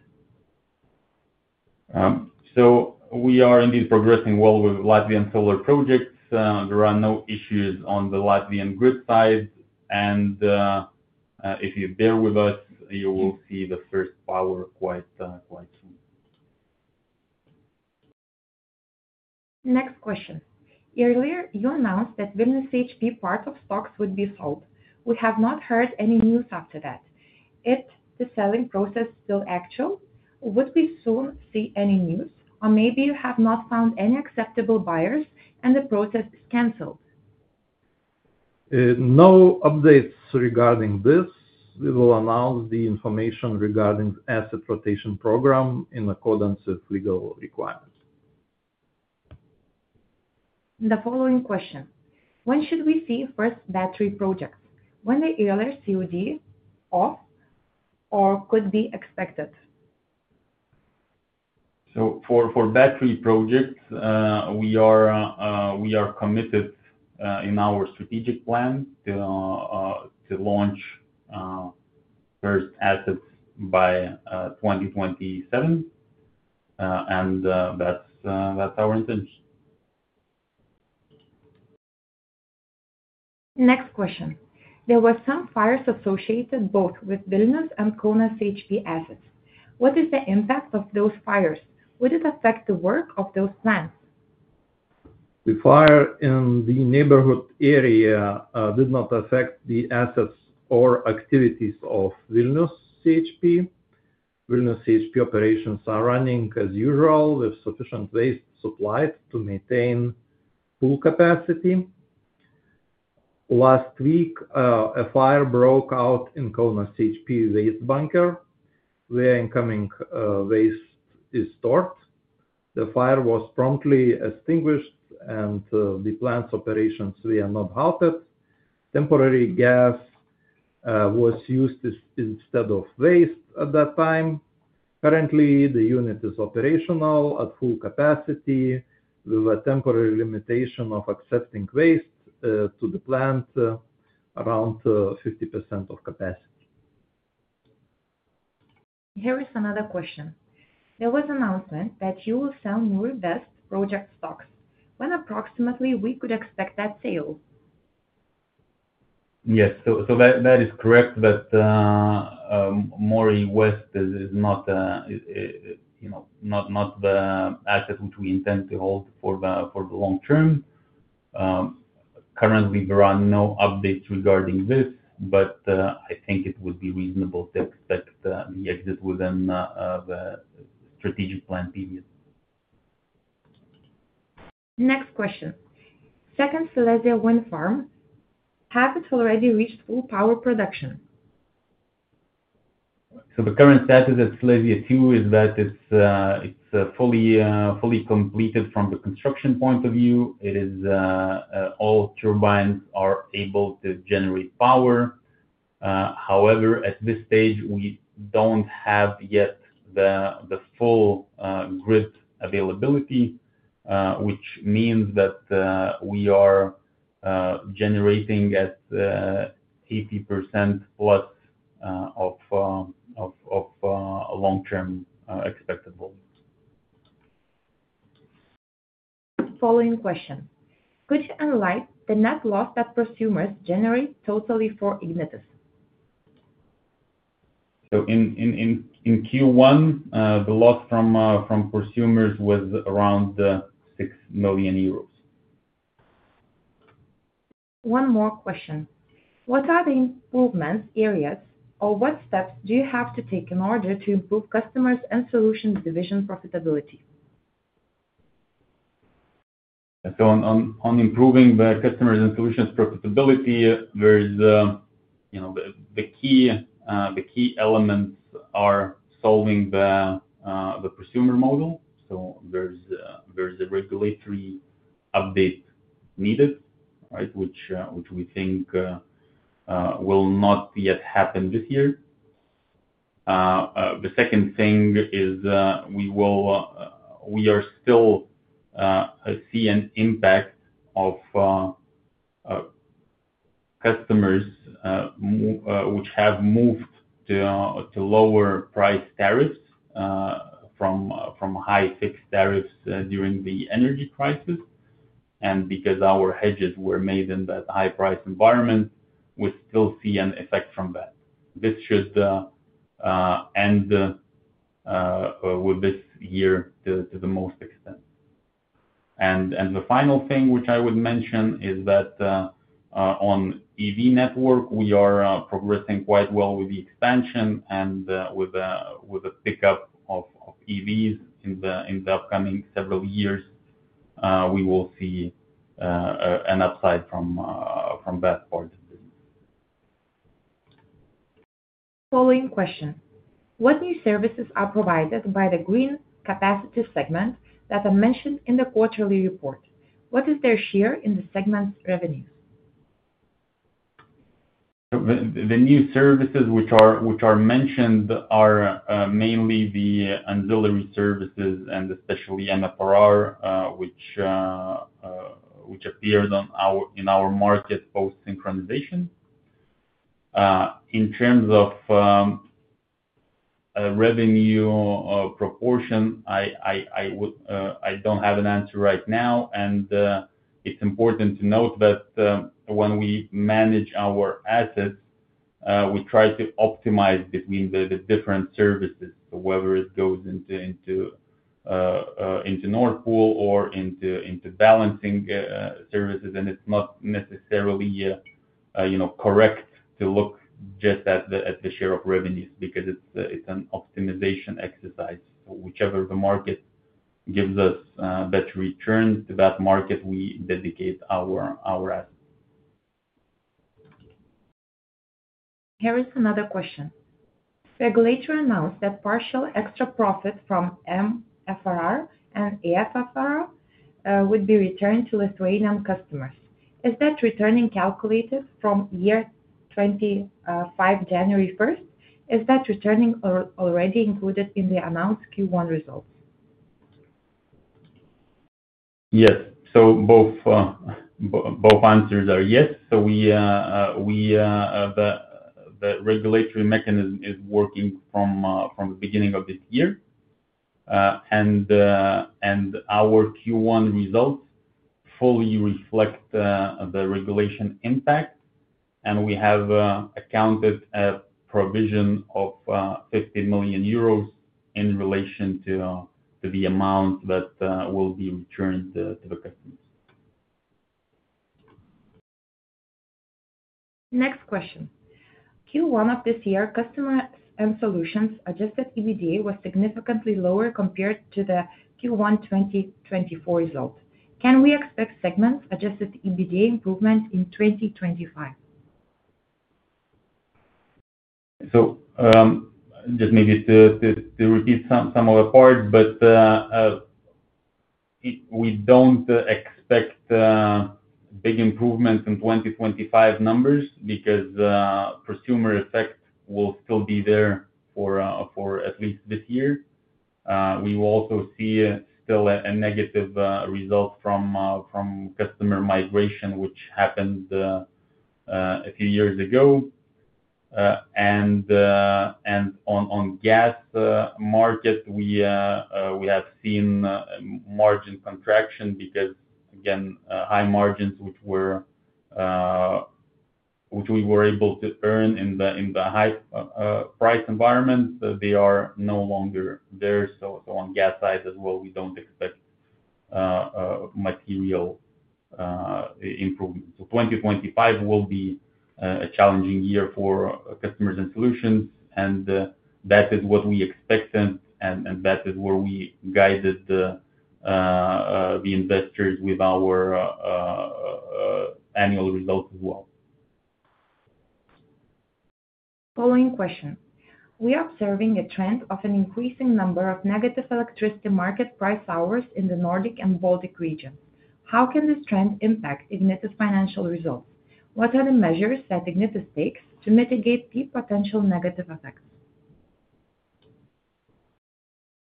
We are indeed progressing well with Latvian solar projects. There are no issues on the Latvian grid side. If you bear with us, you will see the first power quite soon. Next question: Earlier, you announced that Vilnius CHP part of stocks would be sold. We have not heard any news after that. Is the selling process still actual? Would we soon see any news? Or maybe you have not found any acceptable buyers and the process is canceled? No updates regarding this. We will announce the information regarding the asset rotation program in accordance with legal requirements. The following question: When should we see first battery projects? When the earlier COD off or could be expected? For battery projects, we are committed in our strategic plan to launch first assets by 2027. That is our intention. Next question: There were some fires associated both with Vilnius and Kaunas CHP assets. What is the impact of those fires? Would it affect the work of those plants? The fire in the neighborhood area did not affect the assets or activities of Vilnius CHP. Vilnius CHP operations are running as usual with sufficient waste supplied to maintain full capacity. Last week, a fire broke out in Kaunas CHP waste bunker where incoming waste is stored. The fire was promptly extinguished, and the plant's operations were not halted. Temporary gas was used instead of waste at that time. Currently, the unit is operational at full capacity with a temporary limitation of accepting waste to the plant around 50% of capacity. Here is another question: There was an announcement that you will sell more WEST project stocks. When approximately would we expect that sale? Yes, so that is correct that more WEST is not the asset which we intend to hold for the long term. Currently, there are no updates regarding this, but I think it would be reasonable to expect the exit within the strategic plan period. Next question: Second Silesia wind farm, has it already reached full power production? The current status at Silesia 2 is that it's fully completed from the construction point of view. All turbines are able to generate power. However, at this stage, we don't have yet the full grid availability, which means that we are generating at 80% plus of long-term expected volumes. Following question: Could you analyze the net loss that prosumers generate totally for Ignitis? In Q1, the loss from prosumers was around EUR 6 million. One more question: What are the improvement areas or what steps do you have to take in order to improve customers' and solutions' division profitability? On improving the customers' and solutions' profitability, the key elements are solving the prosumer model. There is a regulatory update needed, which we think will not yet happen this year. The second thing is we are still seeing an impact of customers which have moved to lower price tariffs from high fixed tariffs during the energy crisis. Because our hedges were made in that high-priced environment, we still see an effect from that. This should end with this year to the most extent. The final thing which I would mention is that on EV network, we are progressing quite well with the expansion and with the pickup of EVs in the upcoming several years. We will see an upside from that part of the business. Following question: What new services are provided by the green capacity segment that are mentioned in the quarterly report? What is their share in the segment's revenues? The new services which are mentioned are mainly the ancillary services and especially MFRR, which appeared in our market post-synchronization. In terms of revenue proportion, I do not have an answer right now. It is important to note that when we manage our assets, we try to optimize between the different services, whether it goes into Nord Pool or into balancing services. It is not necessarily correct to look just at the share of revenues because it is an optimization exercise. Whichever the market gives us better returns to that market, we dedicate our assets. Here is another question: The regulator announced that partial extra profit from MFRR and AFFR would be returned to Lithuanian customers. Is that return calculated from year 2025 January 1st? Is that return already included in the announced Q1 results? Yes. Both answers are yes. The regulatory mechanism is working from the beginning of this year. Our Q1 results fully reflect the regulation impact. We have accounted a provision of 50 million euros in relation to the amount that will be returned to the customers. Next question: Q1 of this year, Customers and Solutions' adjusted EBITDA was significantly lower compared to the Q1 2024 result. Can we expect segment's adjusted EBITDA improvement in 2025? Just maybe to repeat some of the parts, but we do not expect big improvements in 2025 numbers because the prosumer effect will still be there for at least this year. We will also see still a negative result from customer migration, which happened a few years ago. On the gas market, we have seen margin contraction because, again, high margins which we were able to earn in the high-priced environments, they are no longer there. On the gas side as well, we do not expect material improvements. 2025 will be a challenging year for customers' and solutions. That is what we expected. That is where we guided the investors with our annual results as well. Following question: We are observing a trend of an increasing number of negative electricity market price hours in the Nordic and Baltic region. How can this trend impact Ignitis' financial results? What are the measures that Ignitis takes to mitigate the potential negative effects?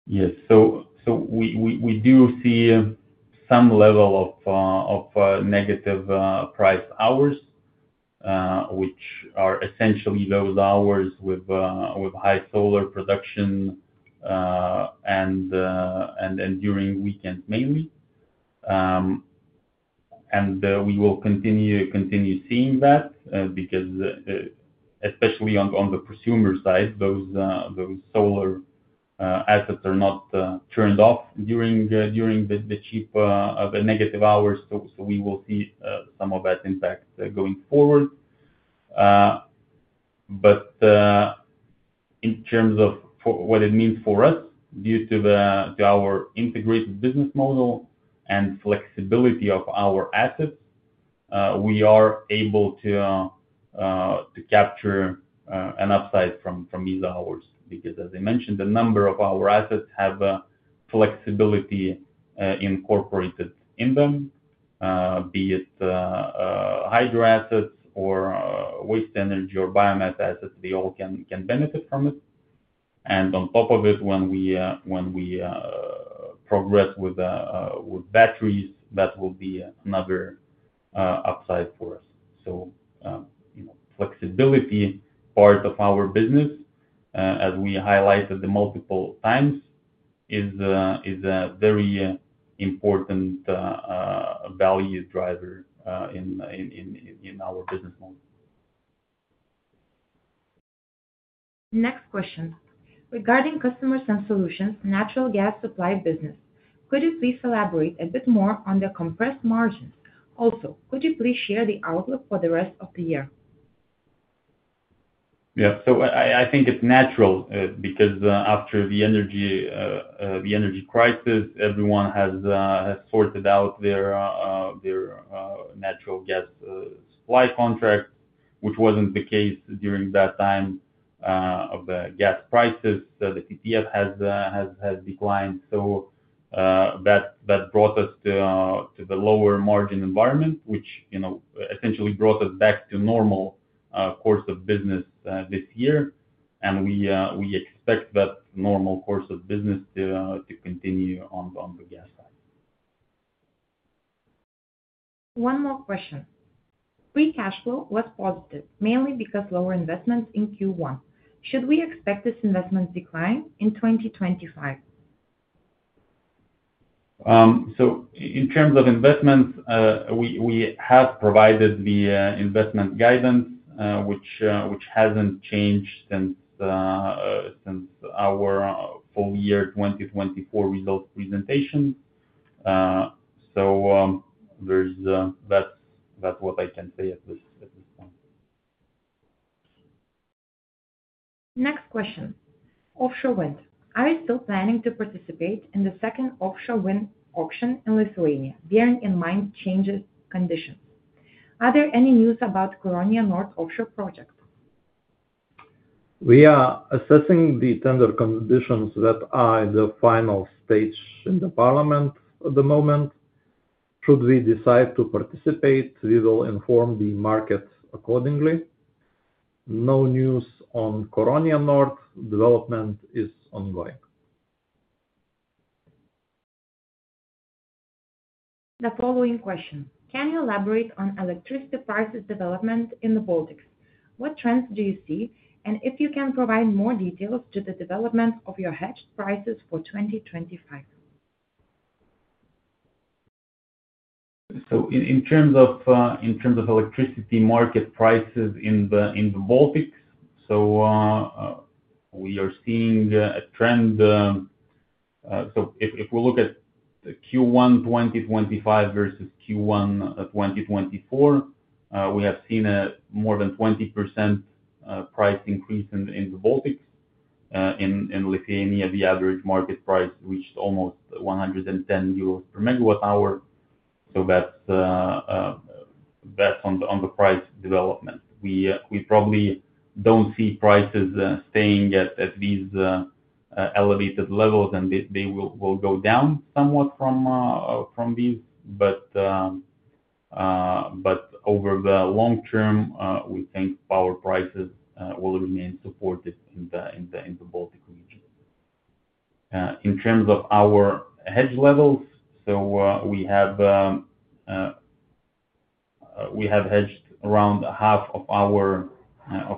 Yes. We do see some level of negative price hours, which are essentially those hours with high solar production and during weekends mainly. We will continue seeing that because, especially on the prosumer side, those solar assets are not turned off during the negative hours. We will see some of that impact going forward. In terms of what it means for us, due to our integrated business model and flexibility of our assets, we are able to capture an upside from these hours because, as I mentioned, a number of our assets has flexibility incorporated in them, be it hydro assets or waste energy or biomass assets. They all can benefit from it. On top of it, when we progress with batteries, that will be another upside for us. Flexibility part of our business, as we highlighted multiple times, is a very important value driver in our business model. Next question: Regarding customers' and solutions' natural gas supply business, could you please elaborate a bit more on the compressed margins? Also, could you please share the outlook for the rest of the year? Yeah. I think it's natural because after the energy crisis, everyone has sorted out their natural gas supply contracts, which was not the case during that time of the gas prices. The TTF has declined. That brought us to the lower margin environment, which essentially brought us back to normal course of business this year. We expect that normal course of business to continue on the gas side. One more question: Free cash flow was positive mainly because of lower investments in Q1. Should we expect this investment decline in 2025? In terms of investments, we have provided the investment guidance, which has not changed since our full year 2024 results presentation. That is what I can say at this point. Next question: Offshore wind. Are you still planning to participate in the second offshore wind auction in Lithuania, bearing in mind changed conditions? Are there any news about Curonian Nord offshore project? We are assessing the tender conditions that are the final stage in the parliament at the moment. Should we decide to participate, we will inform the market accordingly. No news on Curonian Nord. Development is ongoing. The following question: Can you elaborate on electricity prices development in the Baltics? What trends do you see? If you can provide more details to the development of your hedged prices for 2025? In terms of electricity market prices in the Baltics, we are seeing a trend. If we look at Q1 2025 versus Q1 2024, we have seen a more than 20% price increase in the Baltics. In Lithuania, the average market price reached almost 110 euros per MWh. That is on the price development. We probably do not see prices staying at these elevated levels, and they will go down somewhat from these. Over the long term, we think power prices will remain supported in the Baltic region. In terms of our hedge levels, we have hedged around half of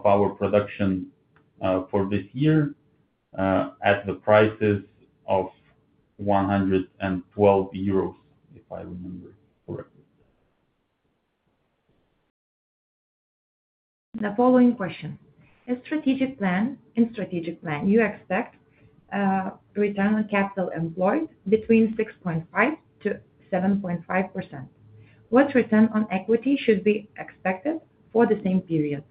our production for this year at the prices of 112 euros, if I remember correctly. The following question: A strategic plan. In strategic plan, you expect return on capital employed between 6.5%-7.5%. What return on equity should be expected for the same period?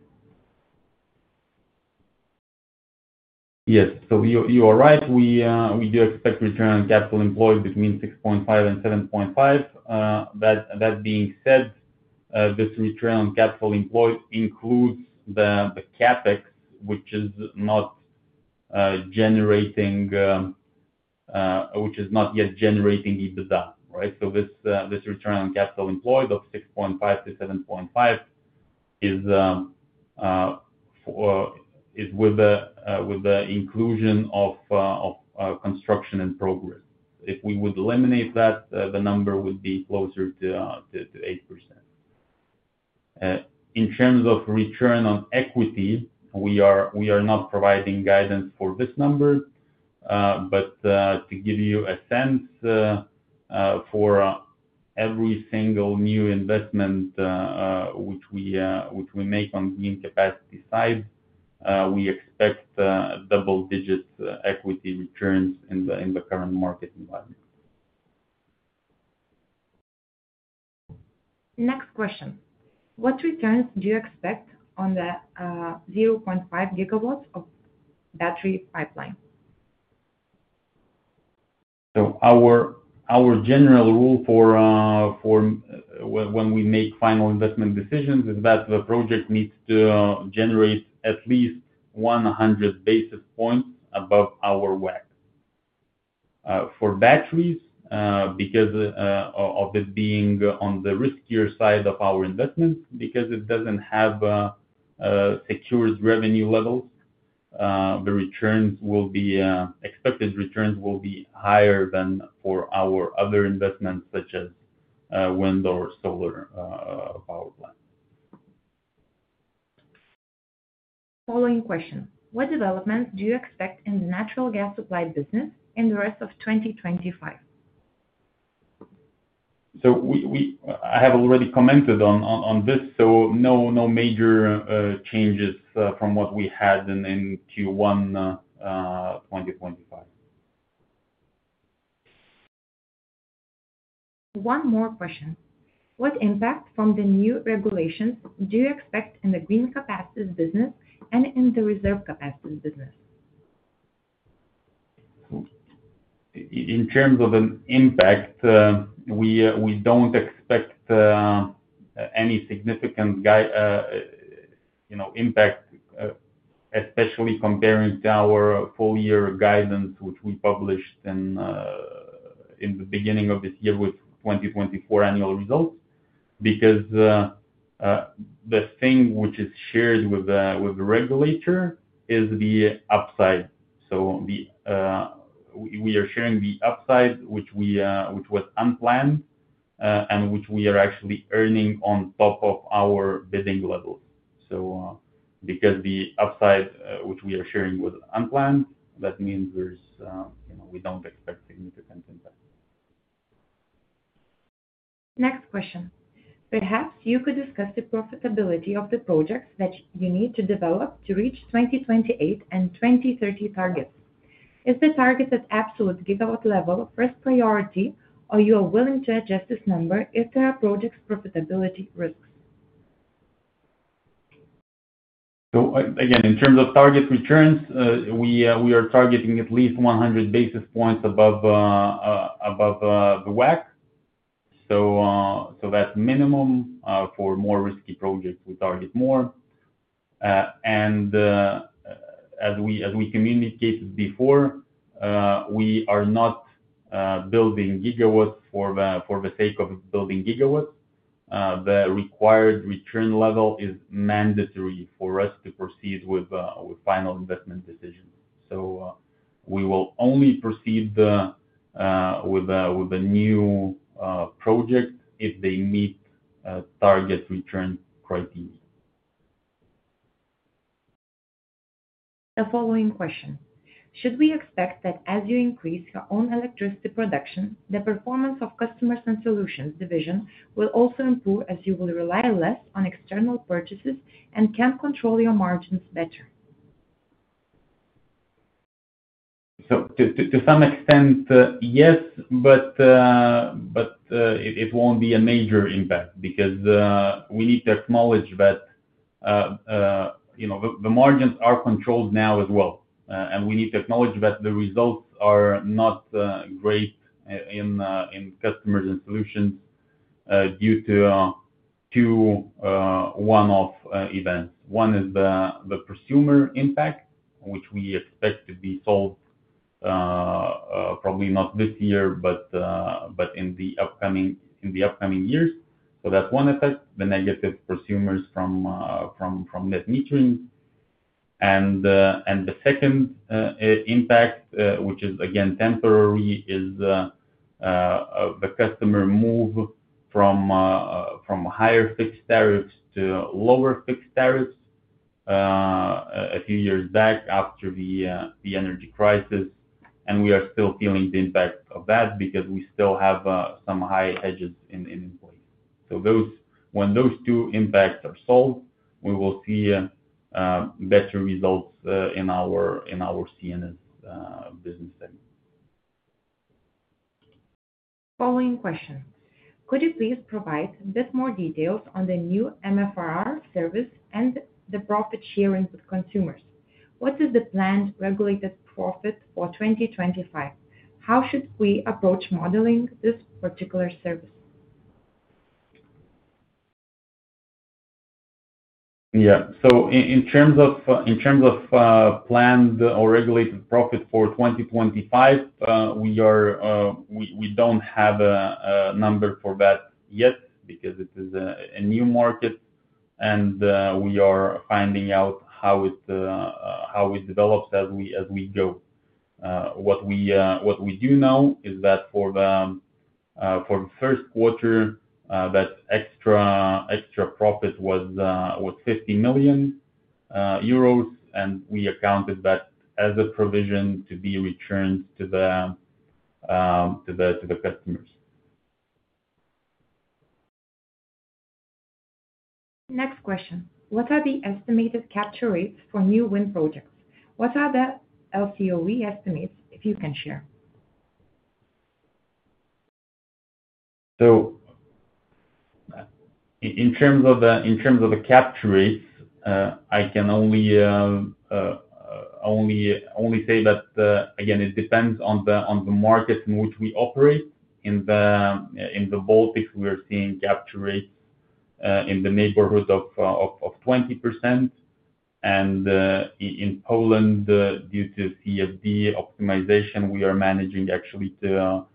Yes. You are right. We do expect return on capital employed between 6.5% and 7.5%. That being said, this return on capital employed includes the CapEx, which is not yet generating EBITDA, right? This return on capital employed of 6.5%-7.5% is with the inclusion of construction and progress. If we would eliminate that, the number would be closer to 8%. In terms of return on equity, we are not providing guidance for this number. To give you a sense, for every single new investment which we make on the capacity side, we expect double-digit equity returns in the current market environment. Next question: What returns do you expect on the 0.5 GW of battery pipeline? Our general rule when we make final investment decisions is that the project needs to generate at least 100 basis points above our WACC. For batteries, because of it being on the riskier side of our investments, because it does not have secured revenue levels, the expected returns will be higher than for our other investments, such as wind or solar power plants. Following question: What developments do you expect in the natural gas supply business in the rest of 2025? I have already commented on this. No major changes from what we had in Q1 2025. One more question: What impact from the new regulations do you expect in the green capacity business and in the reserve capacity business? In terms of impact, we don't expect any significant impact, especially comparing to our full year guidance, which we published in the beginning of this year with 2024 annual results. Because the thing which is shared with the regulator is the upside. We are sharing the upside, which was unplanned and which we are actually earning on top of our bidding levels. Because the upside which we are sharing was unplanned, that means we don't expect significant impact. Next question: Perhaps you could discuss the profitability of the projects that you need to develop to reach 2028 and 2030 targets. Is the target at absolute gigawatt level first priority, or are you willing to adjust this number if there are project profitability risks? Again, in terms of target returns, we are targeting at least 100 basis points above the WACC. That is minimum. For more risky projects, we target more. As we communicated before, we are not building gigawatts for the sake of building gigawatts. The required return level is mandatory for us to proceed with final investment decisions. We will only proceed with a new project if they meet target return criteria. The following question: Should we expect that as you increase your own electricity production, the performance of customers' and solutions' division will also improve as you will rely less on external purchases and can control your margins better? To some extent, yes. It will not be a major impact because we need to acknowledge that the margins are controlled now as well. We need to acknowledge that the results are not great in customers' and solutions due to two one-off events. One is the prosumer impact, which we expect to be solved probably not this year, but in the upcoming years. That is one effect, the negative prosumers from net metering. The second impact, which is again temporary, is the customer move from higher fixed tariffs to lower fixed tariffs a few years back after the energy crisis. We are still feeling the impact of that because we still have some high hedges in place. When those two impacts are solved, we will see better results in our CNS business segment. Following question: Could you please provide a bit more details on the new MFRR service and the profit sharing with consumers? What is the planned regulated profit for 2025? How should we approach modeling this particular service? Yeah. In terms of planned or regulated profit for 2025, we do not have a number for that yet because it is a new market. We are finding out how it develops as we go. What we do know is that for the first quarter, that extra profit was 50 million euros. We accounted that as a provision to be returned to the customers. Next question: What are the estimated capture rates for new wind projects? What are the LCOE estimates, if you can share? In terms of the capture rates, I can only say that, again, it depends on the market in which we operate. In the Baltics, we are seeing capture rates in the neighborhood of 20%. In Poland, due to CFD optimization, we are managing actually to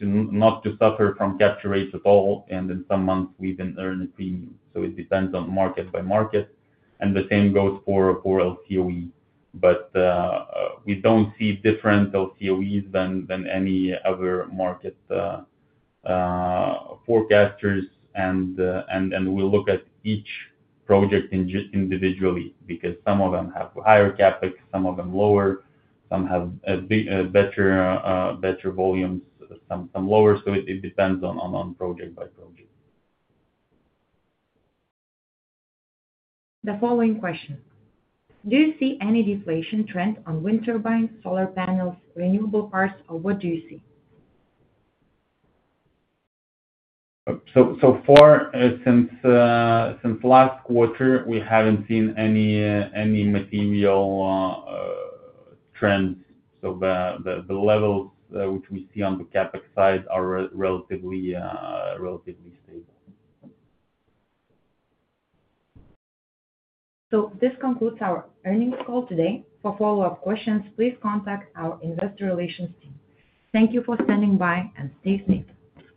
not suffer from capture rates at all. In some months, we even earn a premium. It depends on market by market. The same goes for LCOE. We do not see different LCOEs than any other market forecasters. We look at each project individually because some of them have higher CapEx, some of them lower, some have better volumes, some lower. It depends on project by project. The following question: Do you see any deflation trend on wind turbines, solar panels, renewable parts, or what do you see? So far, since last quarter, we haven't seen any material trends. The levels which we see on the CapEx side are relatively stable. This concludes our earnings call today. For follow-up questions, please contact our investor relations team. Thank you for standing by and stay safe.